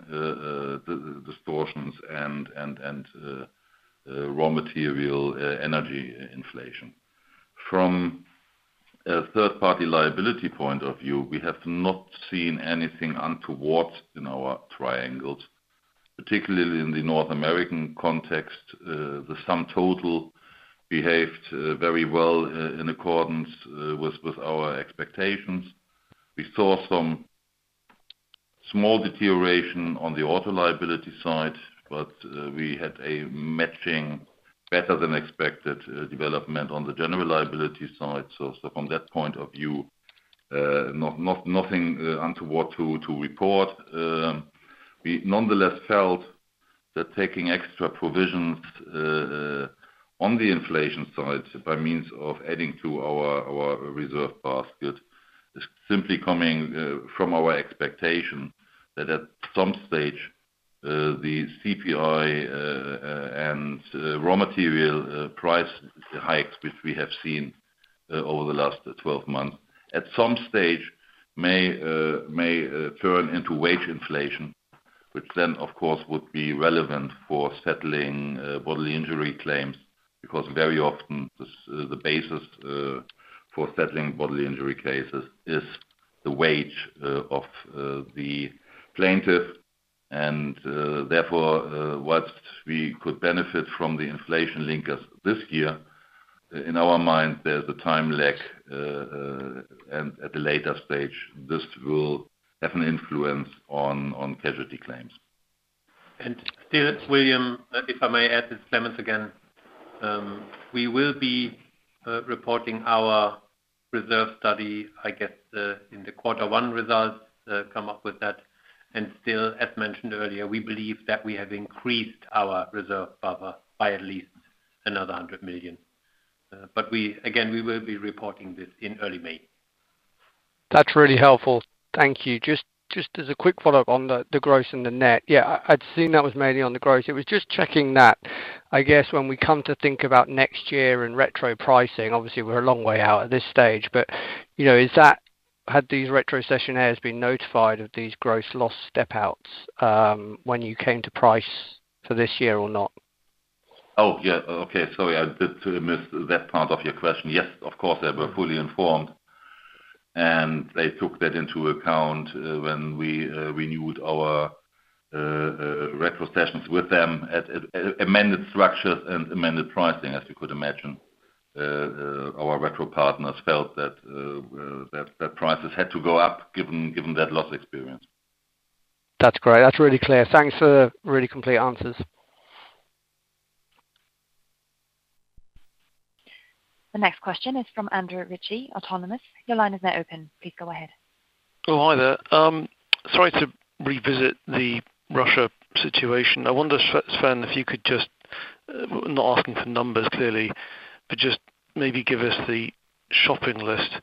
distortions and raw material energy inflation. From a third-party liability point of view, we have not seen anything untoward in our triangles, particularly in the North American context. The sum total behaved very well in accordance with our expectations. We saw some small deterioration on the auto liability side, but we had a matching better than expected development on the general liability side. From that point of view, nothing untoward to report. We nonetheless felt that taking extra provisions on the inflation side by means of adding to our reserve basket is simply coming from our expectation that at some stage the CPI and raw material price hikes, which we have seen over the last 12 months, at some stage may turn into wage inflation, which then of course would be relevant for settling bodily injury claims. Because very often the basis for settling bodily injury cases is the wage of the plaintiff. Therefore, what we could benefit from the inflation linkers this year, in our mind, there's a time lag at a later stage. This will have an influence on casualty claims. Still, William, if I may add, it's Clemens again. We will be reporting our reserve study, I guess, in the quarter one results, come up with that. As mentioned earlier, we believe that we have increased our reserve buffer by at least another 100 million. Again, we will be reporting this in early May. That's really helpful. Thank you. Just as a quick follow-up on the gross and the net. Yeah, I'd seen that was mainly on the gross. It was just checking that, I guess, when we come to think about next year and retro pricing, obviously we're a long way out at this stage. You know, had these retrocessionaires been notified of these gross loss step outs when you came to price for this year or not? Oh, yeah. Okay. Sorry, I did miss that part of your question. Yes, of course, they were fully informed. They took that into account when we renewed our retrocessions with them at amended structures and amended pricing, as you could imagine. Our retro partners felt that prices had to go up given that loss experience. That's great. That's really clear. Thanks for the really complete answers. The next question is from Andrew Ritchie, Autonomous. Your line is now open. Please go ahead. Oh, hi there. Sorry to revisit the Russia situation. I wonder, Sven, if you could just, not asking for numbers, clearly, but just maybe give us the shopping list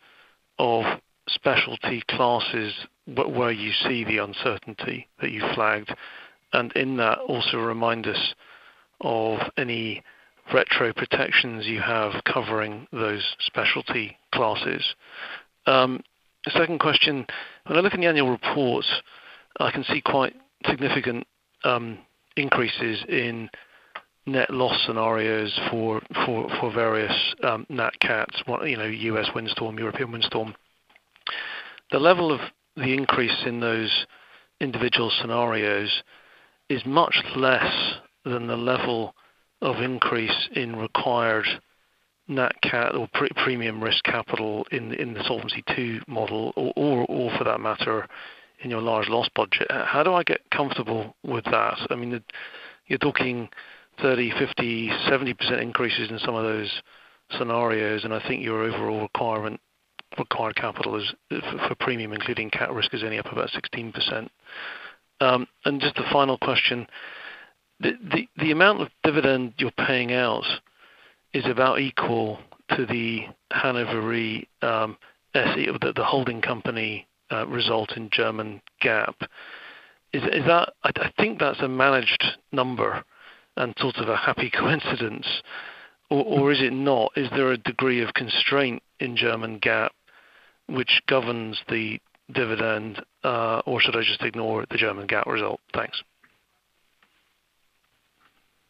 of specialty classes where you see the uncertainty that you flagged. In that, also remind us of any retro protections you have covering those specialty classes. The second question, when I look in the annual report, I can see quite significant increases in net loss scenarios for various nat cats, you know, U.S. windstorm, European windstorm. The level of the increase in those individual scenarios is much less than the level of increase in required nat cat or premium risk capital in the Solvency II model or, for that matter, in your large loss budget. How do I get comfortable with that? I mean, you're talking 30%, 50%, 70% increases in some of those scenarios, and I think your overall required capital is, for premium, including cat risk, only up about 16%. And just a final question. The amount of dividend you're paying out is about equal to the Hannover Rück SE, the holding company, result in German GAAP. Is that I think that's a managed number and sort of a happy coincidence, or is it not? Is there a degree of constraint in German GAAP which governs the dividend, or should I just ignore the German GAAP result? Thanks.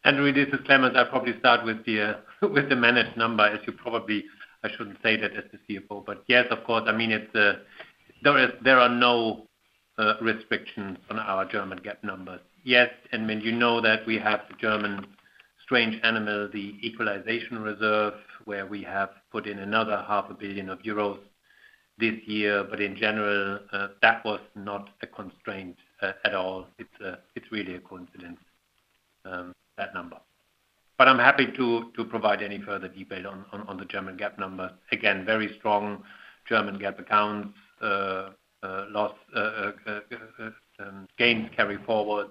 Andrew, this is Clemens. I'll probably start with the managed number. I shouldn't say that as the CFO. Yes, of course. I mean, it's there are no restrictions on our German GAAP numbers. Yes, when you know that we have the German strange animal, the equalization reserve, where we have put in another half a billion euros this year. In general, that was not a constraint at all. It's really a coincidence, that number. I'm happy to provide any further detail on the German GAAP number. Again, very strong German GAAP accounts, loss gains carry forward.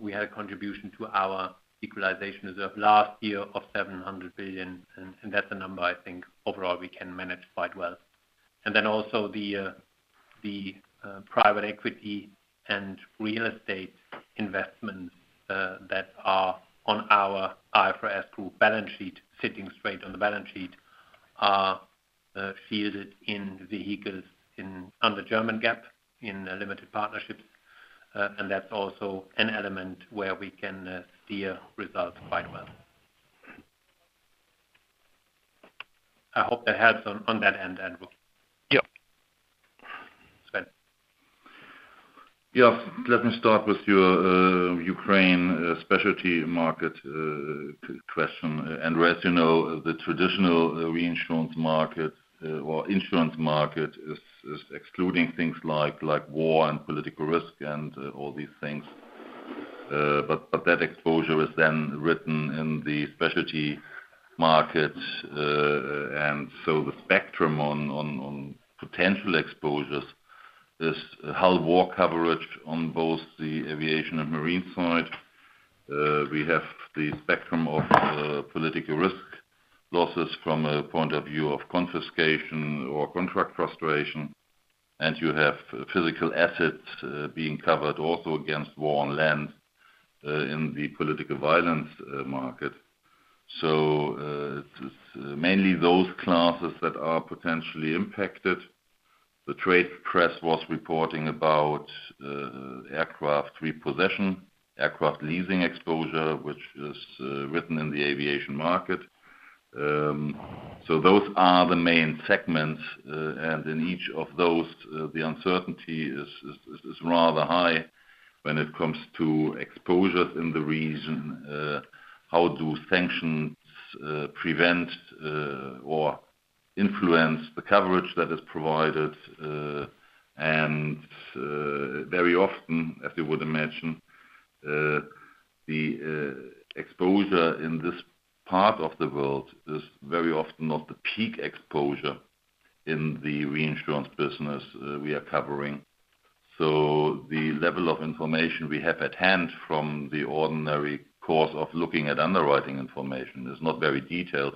We had a contribution to our equalization reserve last year of 700 million, and that's a number I think overall we can manage quite well. Private equity and real estate investments that are on our IFRS 9 balance sheet, sitting straight on the balance sheet, are held in vehicles under German GAAP in limited partnerships. That's also an element where we can steer results quite well. I hope that helps on that end, Andrew. Yep. Sven. Yeah. Let me start with your Ukraine specialty market question. As you know, the traditional reinsurance market or insurance market is excluding things like war and political risk and all these things. That exposure is then written in the specialty market. The spectrum on potential exposures is hull war coverage on both the aviation and marine side. We have the spectrum of political risk losses from a point of view of confiscation or contract frustration. You have physical assets being covered also against war on land in the political violence market. It's mainly those classes that are potentially impacted. The trade press was reporting about aircraft repossession, aircraft leasing exposure, which is written in the aviation market. Those are the main segments, and in each of those, the uncertainty is rather high when it comes to exposures in the region. How do sanctions prevent or influence the coverage that is provided. Very often, as you would imagine, the exposure in this part of the world is very often not the peak exposure in the reinsurance business we are covering. The level of information we have at hand from the ordinary course of looking at underwriting information is not very detailed.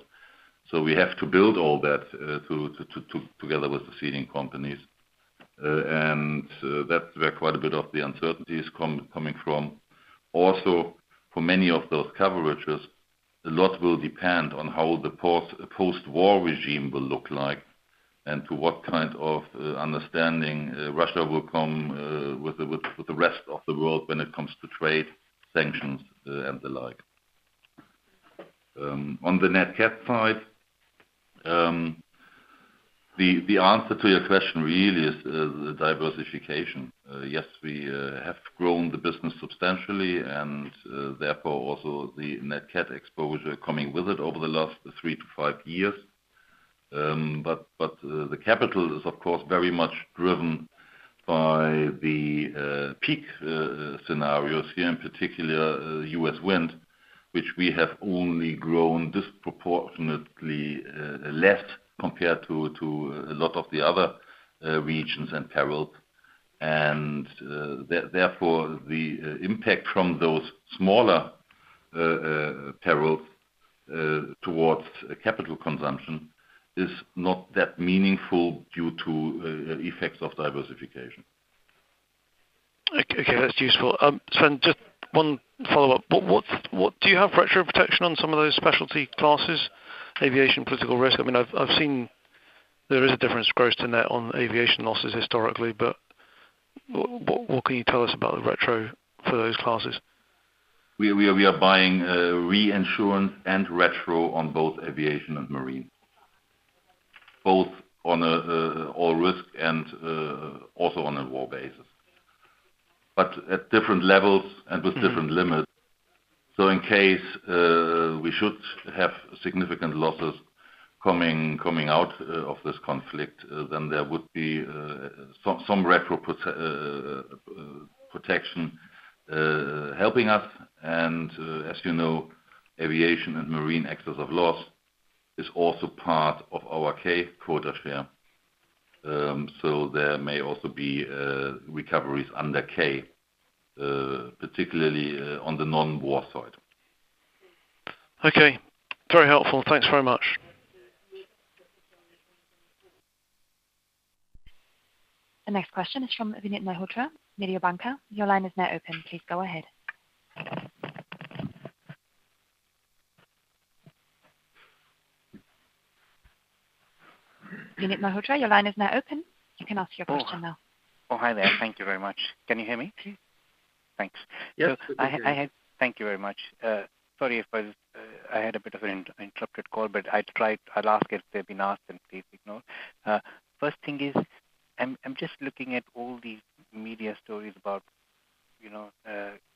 We have to build all that together with the ceding companies. That's where quite a bit of the uncertainties come from. Also, for many of those coverages, a lot will depend on how the post-war regime will look like and to what kind of understanding Russia will come with the rest of the world when it comes to trade sanctions and the like. On the nat cat side, the answer to your question really is the diversification. Yes, we have grown the business substantially and therefore also the nat cat exposure coming with it over the last three to five years. The capital is, of course, very much driven by the peak scenarios here, in particular, U.S. Wind, which we have only grown disproportionately less compared to a lot of the other regions and perils. Therefore, the impact from those smaller perils towards capital consumption is not that meaningful due to effects of diversification. Okay, that's useful. Sven, just one follow-up. What do you have retro protection on some of those specialty classes, aviation, political risk? I mean, I've seen there is a difference gross to net on aviation losses historically, but what can you tell us about the retro for those classes? We are buying reinsurance and retro on both aviation and marine, both on a all risk and also on a war basis. At different levels and with different limits. In case we should have significant losses coming out of this conflict, then there would be some retro protection helping us. As you know, aviation and marine excess of loss is also part of our K-Quota Share. There may also be recoveries under K, particularly on the non-war side. Okay. Very helpful. Thanks very much. The next question is from Vinit Malhotra, Mediobanca. Your line is now open. Please go ahead. Vinit Malhotra, your line is now open. You can ask your question now. Oh, hi there. Thank you very much. Can you hear me? Thanks. Yes, we can hear you. Thank you very much. Sorry if I was, I had a bit of an interrupted call, but I'd try. I'll ask if they've been asked and please ignore. First thing is, I'm just looking at all these media stories about, you know,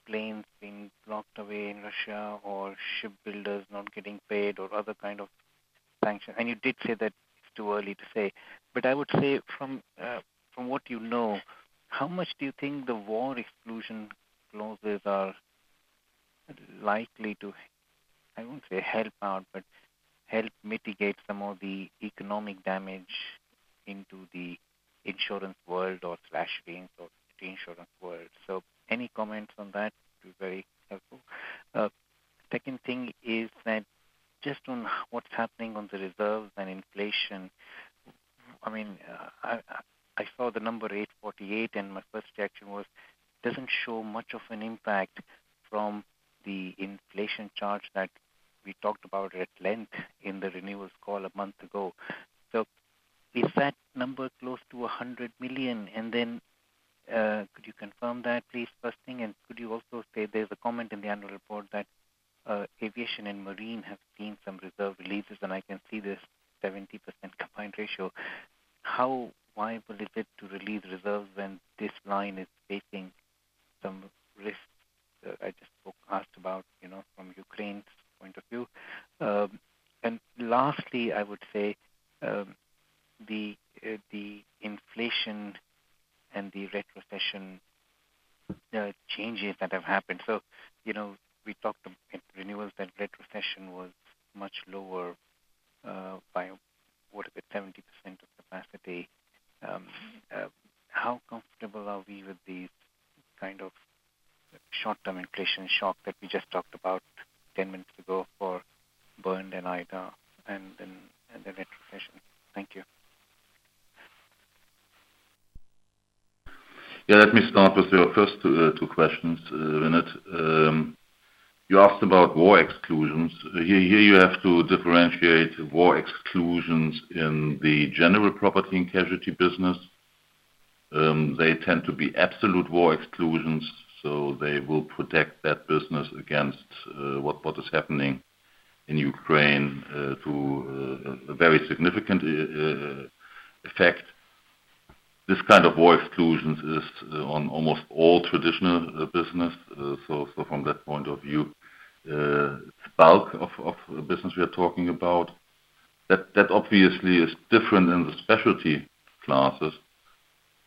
planes being locked away in Russia or shipbuilders not getting paid or other kind of sanctions. You did say that it's too early to say. I would say from what you know, how much do you think the war exclusion clauses are likely to, I won't say help out, but help mitigate some of the economic damage into the insurance world or the reinsurance world? Any comments on that will be very helpful. Second thing is that just on what's happening on the reserves and inflation, I mean, I saw the number 848, and my first reaction was doesn't show much of an impact from the inflation charge that we talked about at length in the renewals call a month ago. Is that number close to 100 million? And then could you confirm that, please? First thing. And could you also say there's a comment in the annual report that aviation and marine have seen some reserve releases, and I can see this 70% combined ratio. How viable is it to relieve reserves when this line is facing some risks I just asked about, you know, from Ukraine's point of view? And lastly, I would say the inflation and the retrocession changes that have happened. You know, we talked at renewals that retrocession was much lower by what is it 70% of capacity. How comfortable are we with these kind of short-term inflation shock that we just talked about 10 minutes ago for Bernd and Ida and then retrocession? Thank you. Yeah. Let me start with your first two questions, Vinit. You asked about war exclusions. Here you have to differentiate war exclusions in the general property and casualty business. They tend to be absolute war exclusions, so they will protect that business against what is happening in Ukraine to a very significant effect. This kind of war exclusions is on almost all traditional business. From that point of view, bulk of business we are talking about. That obviously is different in the specialty classes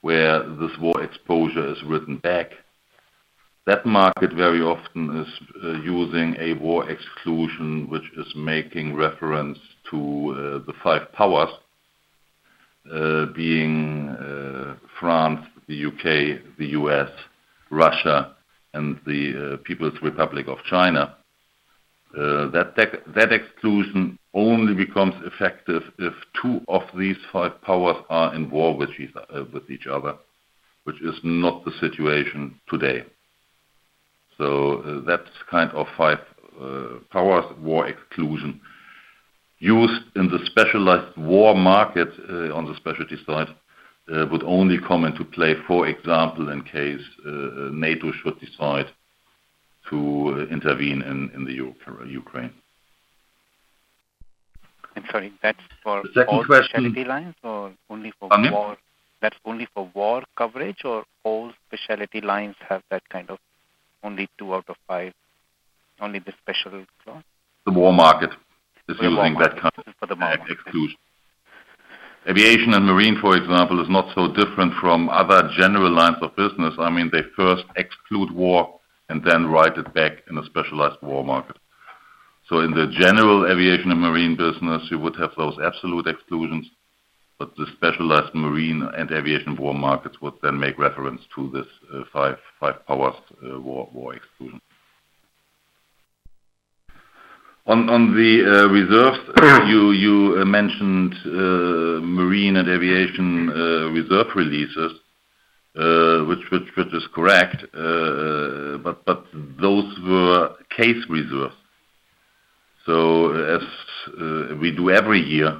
where this war exposure is written back. That market very often is using a war exclusion, which is making reference to the five powers being France, the U.K., the U.S., Russia, and the People's Republic of China. That exclusion only becomes effective if two of these five powers are in war with each other, which is not the situation today. That kind of five powers war exclusion used in the specialized war market on the specialty side would only come into play, for example, in case NATO should decide to intervene in the Russia-Ukraine. I'm sorry. The second question. all specialty lines or only for war? Pardon me. That's only for war coverage or all specialty lines have that kind of only two out of five. Only the specialty. The war market is using that kind of exclusion. For the war market. Aviation and marine, for example, is not so different from other general lines of business. I mean, they first exclude war and then write it back in a specialized war market. In the general aviation and marine business, you would have those absolute exclusions, but the specialized marine and aviation war markets would then make reference to this five powers war exclusion. On the reserves, you mentioned marine and aviation reserve releases, which is correct. But those were case reserves. As we do every year,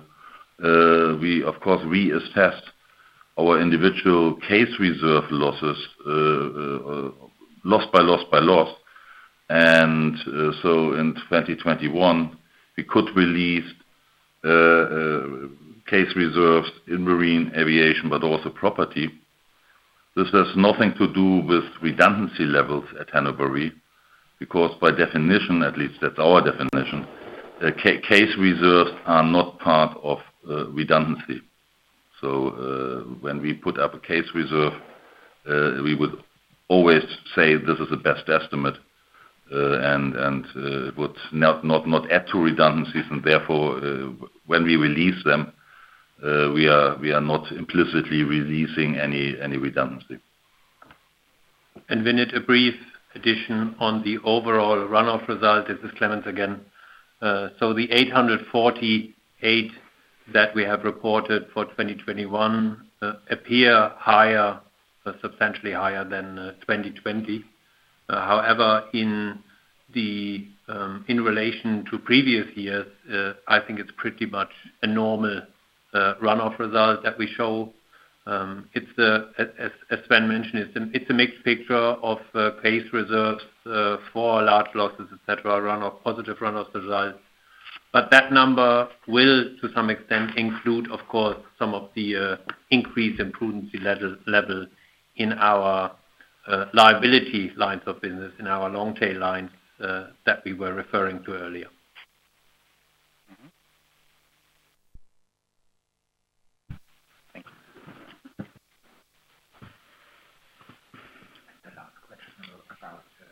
we of course reassess our individual case reserve losses, loss by loss by loss. In 2021, we could release case reserves in marine aviation, but also property. This has nothing to do with redundancy levels at Hannover Re, because by definition, at least that's our definition, case reserves are not part of redundancy. When we put up a case reserve, we would always say this is the best estimate and would not add to redundancies. Therefore, when we release them, we are not implicitly releasing any redundancy. a brief addition on the overall run-off result. This is Clemens again. So the 848 that we have reported for 2021 appear higher, substantially higher than 2020. However, in relation to previous years, I think it's pretty much a normal run-off result that we show. It's as Sven mentioned, it's a mixed picture of case reserves for large losses, et cetera, run of positive run-off results. But that number will, to some extent, include, of course, some of the increase in prudence level in our liability lines of business, in our long tail lines, that we were referring to earlier.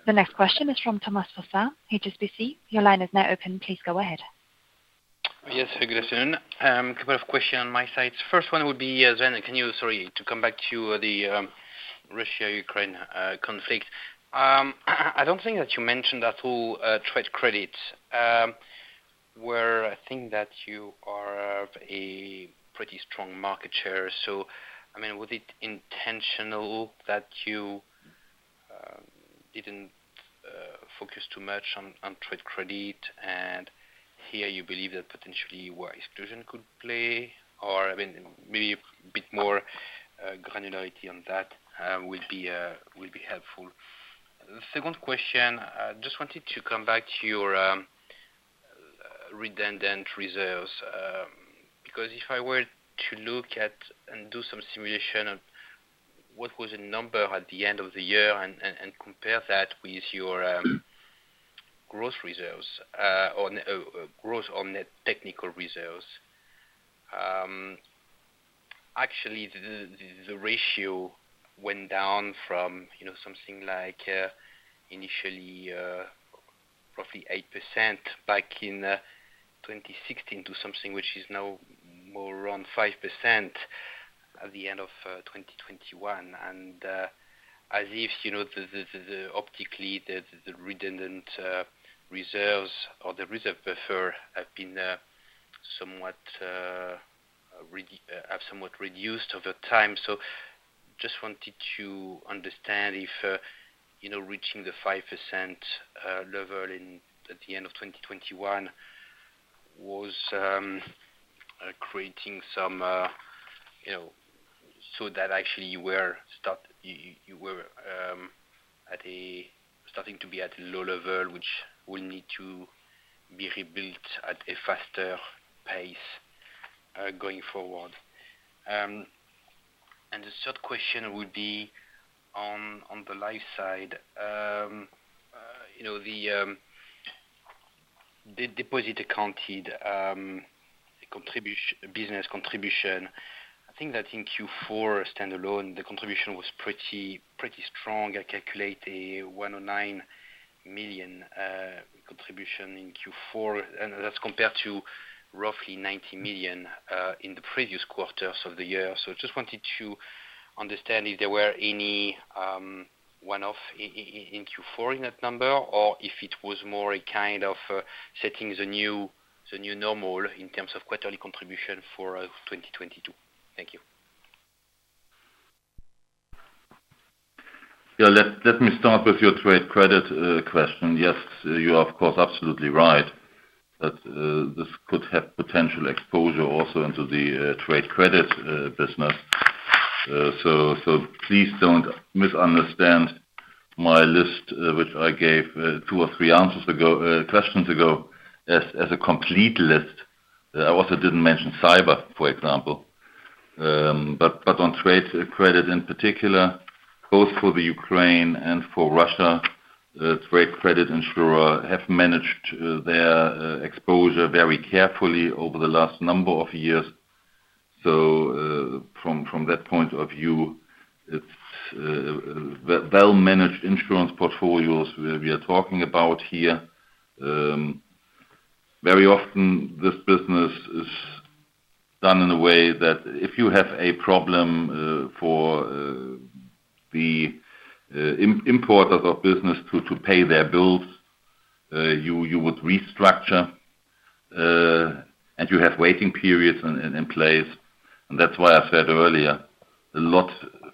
Thank you. The next question is from Thomas Fossard, HSBC. Your line is now open. Please go ahead. Yes. Good afternoon. Couple of questions on my side. First one would be, Sven, to come back to the Russia-Ukraine conflict. I don't think that you mentioned at all trade credit, where I think that you are of a pretty strong market share. So, I mean, was it intentional that you didn't focus too much on trade credit? Here you believe that potentially war exclusion could play or, I mean, maybe a bit more granularity on that would be helpful. The second question, I just wanted to come back to your redundant reserves, because if I were to look at and do some simulation of what was the number at the end of the year and compare that with your growth reserves, on growth on net technical reserves. Actually the ratio went down from, you know, something like initially roughly 8% back in 2016 to something which is now more around 5% at the end of 2021. As if, you know, optically, the redundant reserves or the reserve buffer have been somewhat reduced over time. Just wanted to understand if, you know, reaching the 5% level at the end of 2021 was creating some, you know, so that actually you were starting to be at a low level, which will need to be rebuilt at a faster pace, going forward. The third question would be on the life side. You know the deposit accounting contribution, business contribution. I think that in Q4 standalone, the contribution was pretty strong. I calculate a 109 million contribution in Q4, and that's compared to roughly 90 million in the previous quarters of the year. Just wanted to understand if there were any one-off in Q4 in that number or if it was more a kind of setting the new normal in terms of quarterly contribution for 2022. Thank you. Yeah. Let me start with your trade credit question. Yes, you are of course absolutely right that this could have potential exposure also into the trade credit business. Please don't misunderstand my list, which I gave two or three questions ago as a complete list. I also didn't mention cyber, for example. But on trade credit in particular, both for the Ukraine and for Russia, trade credit insurers have managed their exposure very carefully over the last number of years. From that point of view, it's well-managed insurance portfolios we are talking about here. Very often this business is done in a way that if you have a problem for the importers of business to pay their bills, you would restructure and you have waiting periods in place. That's why I said earlier, a lot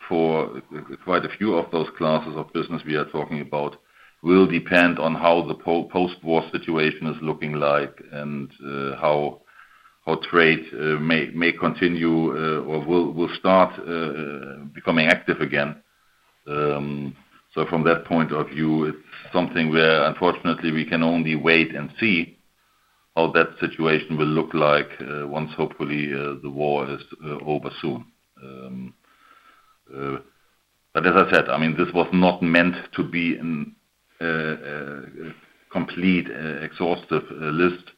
for quite a few of those classes of business we are talking about will depend on how the post-war situation is looking like and how trade may continue or will start becoming active again. From that point of view, it's something where unfortunately we can only wait and see how that situation will look like once hopefully the war is over soon. As I said, I mean this was not meant to be a complete exhaustive list.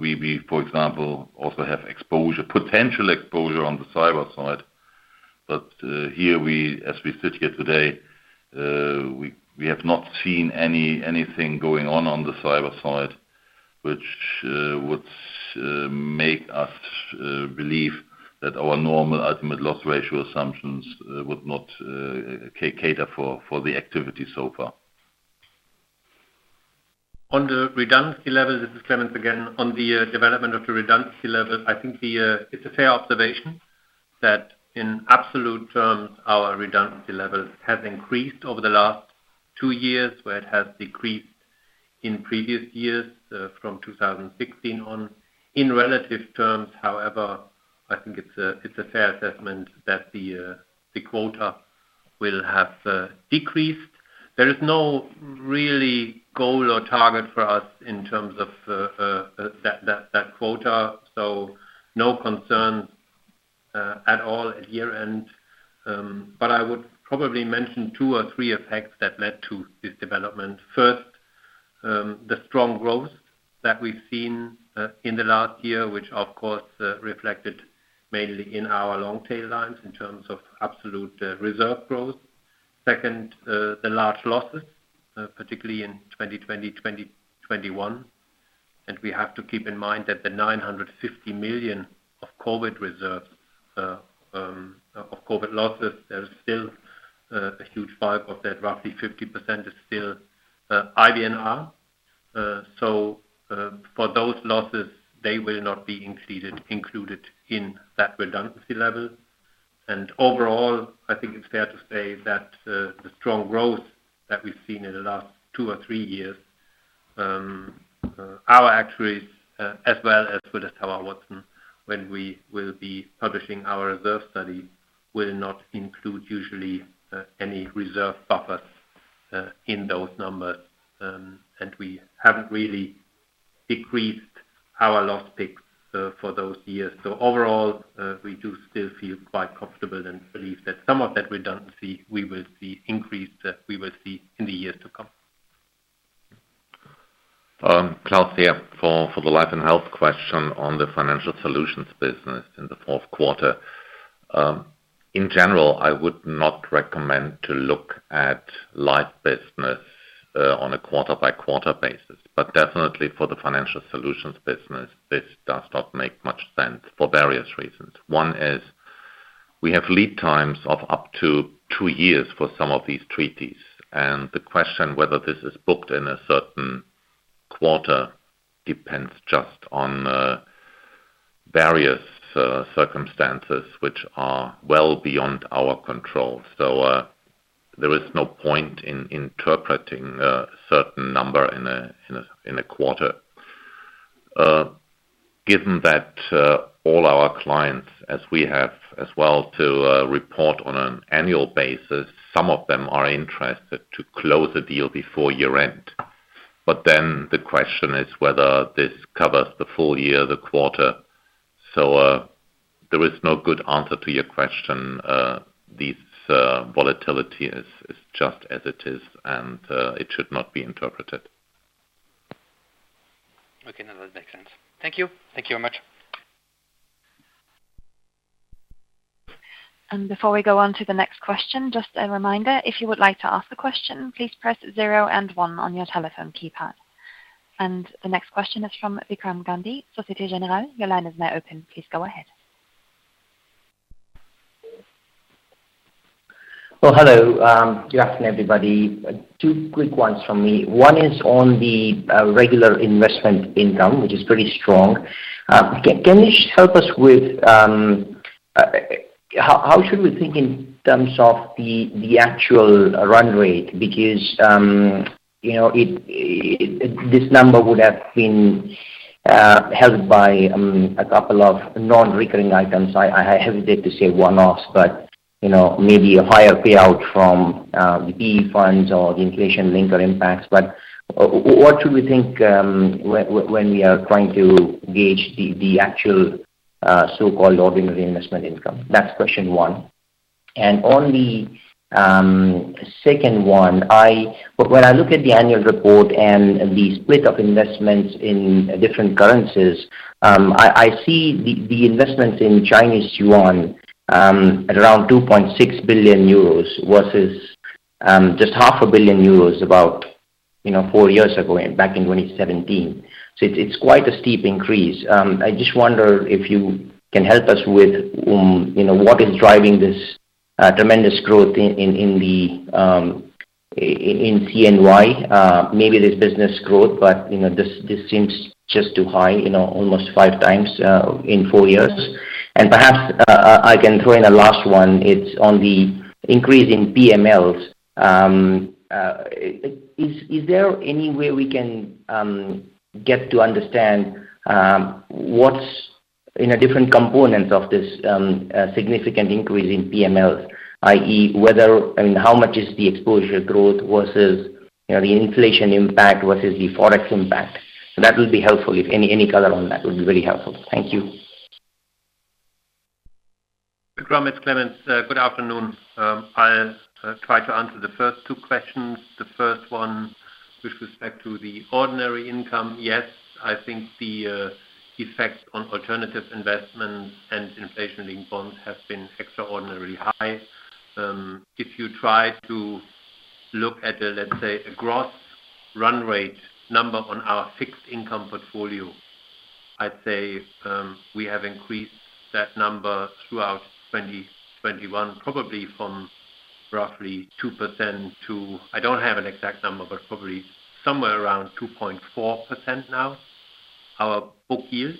We, for example, also have exposure, potential exposure on the cyber side. Here we as we sit here today, we have not seen anything going on the cyber side, which would make us believe that our normal ultimate loss ratio assumptions would not cater for the activity so far. On the redundancy level, this is Clemens again. On the development of the redundancy level, I think it's a fair observation that in absolute terms, our redundancy level has increased over the last two years, where it has decreased in previous years from 2016 on. In relative terms however, I think it's a fair assessment that the quota will have decreased. There is no real goal or target for us in terms of that quota, so no concern at all at year-end. I would probably mention two or three effects that led to this development. First, the strong growth that we've seen in the last year, which of course reflected mainly in our long tail lines in terms of absolute reserve growth. Second, the large losses, particularly in 2020, 2021. We have to keep in mind that the 950 million of COVID reserves of COVID losses, there is still half of that. Roughly 50% is still IBNR. For those losses, they will not be included in that redundancy level. Overall, I think it's fair to say that the strong growth that we've seen in the last two or three years, our actuaries, as well as Willis Towers Watson, when we will be publishing our reserve study, will not include usually any reserve buffers in those numbers. We haven't really decreased our loss picks for those years. Overall, we do still feel quite comfortable and believe that some of that redundancy we will see increased in the years to come. Klaus here. For the life and health question on the financial solutions business in the fourth quarter. In general, I would not recommend to look at life business on a quarter by quarter basis. Definitely for the financial solutions business, this does not make much sense for various reasons. One is we have lead times of up to two years for some of these treaties, and the question whether this is booked in a certain quarter depends just on various circumstances which are well beyond our control. There is no point in interpreting a certain number in a quarter. Given that, all our clients, as we have as well to, report on an annual basis, some of them are interested to close the deal before year-end. The question is whether this covers the full year, the quarter. There is no good answer to your question. This volatility is just as it is and it should not be interpreted. Okay. No, that makes sense. Thank you. Thank you very much. Before we go on to the next question, just a reminder. If you would like to ask a question, please press zero and one on your telephone keypad. The next question is from Vikram Gandhi, Société Générale. Your line is now open. Please go ahead. Well, hello. Good afternoon, everybody. Two quick ones from me. One is on the regular investment income, which is pretty strong. Can you help us with how we should think in terms of the actual run rate? Because, you know, this number would have been held by a couple of non-recurring items. I hesitate to say one-offs, but, you know, maybe a higher payout from the PE funds or the inflation-linked impacts. But what should we think when we are trying to gauge the actual so-called ordinary investment income? That's question one. On the second one, when I look at the annual report and the split of investments in different currencies, I see the investments in Chinese yuan at around 2.6 billion euros versus just half a billion euros about four years ago back in 2017. It's quite a steep increase. I just wonder if you can help us with you know what is driving this tremendous growth in CNY. Maybe there's business growth, but you know this seems just too high you know almost 5x in four years. Perhaps I can throw in a last one. It's on the increase in PMLs. Is there any way we can get to understand what's in a different component of this significant increase in PMLs, i.e., I mean, how much is the exposure growth versus, you know, the inflation impact versus the Forex impact? That would be helpful. If any color on that would be very helpful. Thank you. Vikram, it's Clemens. Good afternoon. I'll try to answer the first two questions. The first one with respect to the ordinary income. Yes, I think the effect on alternative investments and inflation-linked bonds have been extraordinarily high. If you try to look at the, let's say, a gross run rate number on our fixed income portfolio, I'd say, we have increased that number throughout 2021, probably from roughly 2% to—I don't have an exact number, but probably somewhere around 2.4% now, our book yields.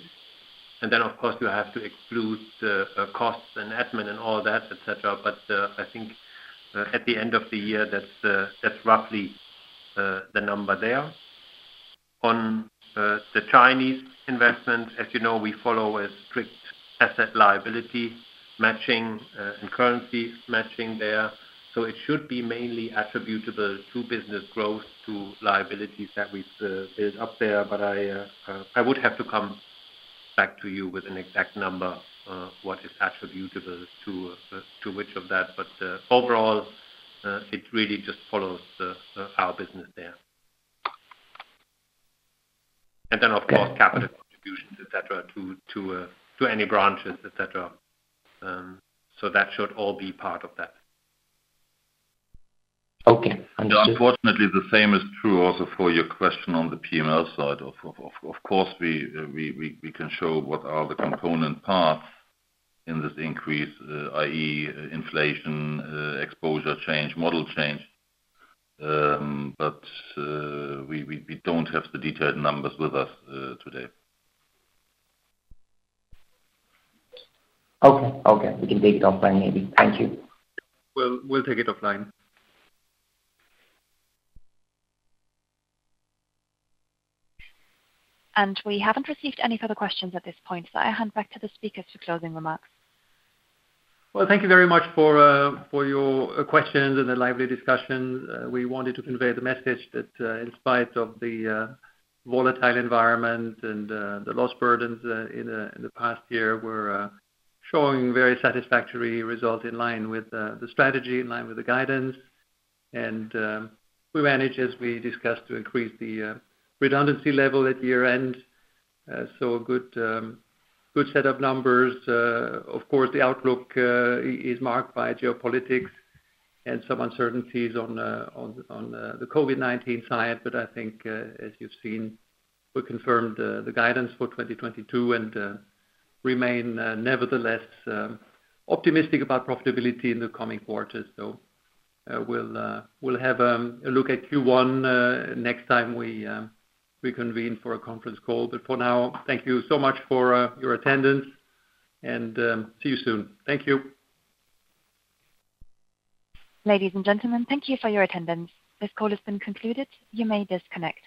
And then, of course, you have to exclude the costs and admin and all that, et cetera. I think at the end of the year, that's roughly the number there. On the Chinese investment, as you know, we follow a strict asset liability matching and currency matching there. It should be mainly attributable to business growth to liabilities that we build up there. I would have to come back to you with an exact number what is attributable to which of that. Overall, it really just follows our business there. Then, of course, capital contributions, et cetera, to any branches, et cetera. That should all be part of that. Okay. Unfortunately, the same is true also for your question on the PML side. Of course, we can show what are the component parts in this increase, i.e., inflation, exposure change, model change. We don't have the detailed numbers with us today. Okay. We can take it offline, maybe. Thank you. We'll take it offline. We haven't received any further questions at this point, so I hand back to the speakers for closing remarks. Well, thank you very much for your questions and the lively discussion. We wanted to convey the message that in spite of the volatile environment and the loss burdens in the past year, we're showing very satisfactory result in line with the strategy, in line with the guidance. We managed, as we discussed, to increase the redundancy level at year-end. So a good set of numbers. Of course, the outlook is marked by geopolitics and some uncertainties on the COVID-19 side. I think, as you've seen, we confirmed the guidance for 2022 and remain nevertheless optimistic about profitability in the coming quarters. We'll have a look at Q1 next time we convene for a conference call. For now, thank you so much for your attendance and see you soon. Thank you. Ladies and gentlemen, thank you for your attendance. This call has been concluded. You may disconnect.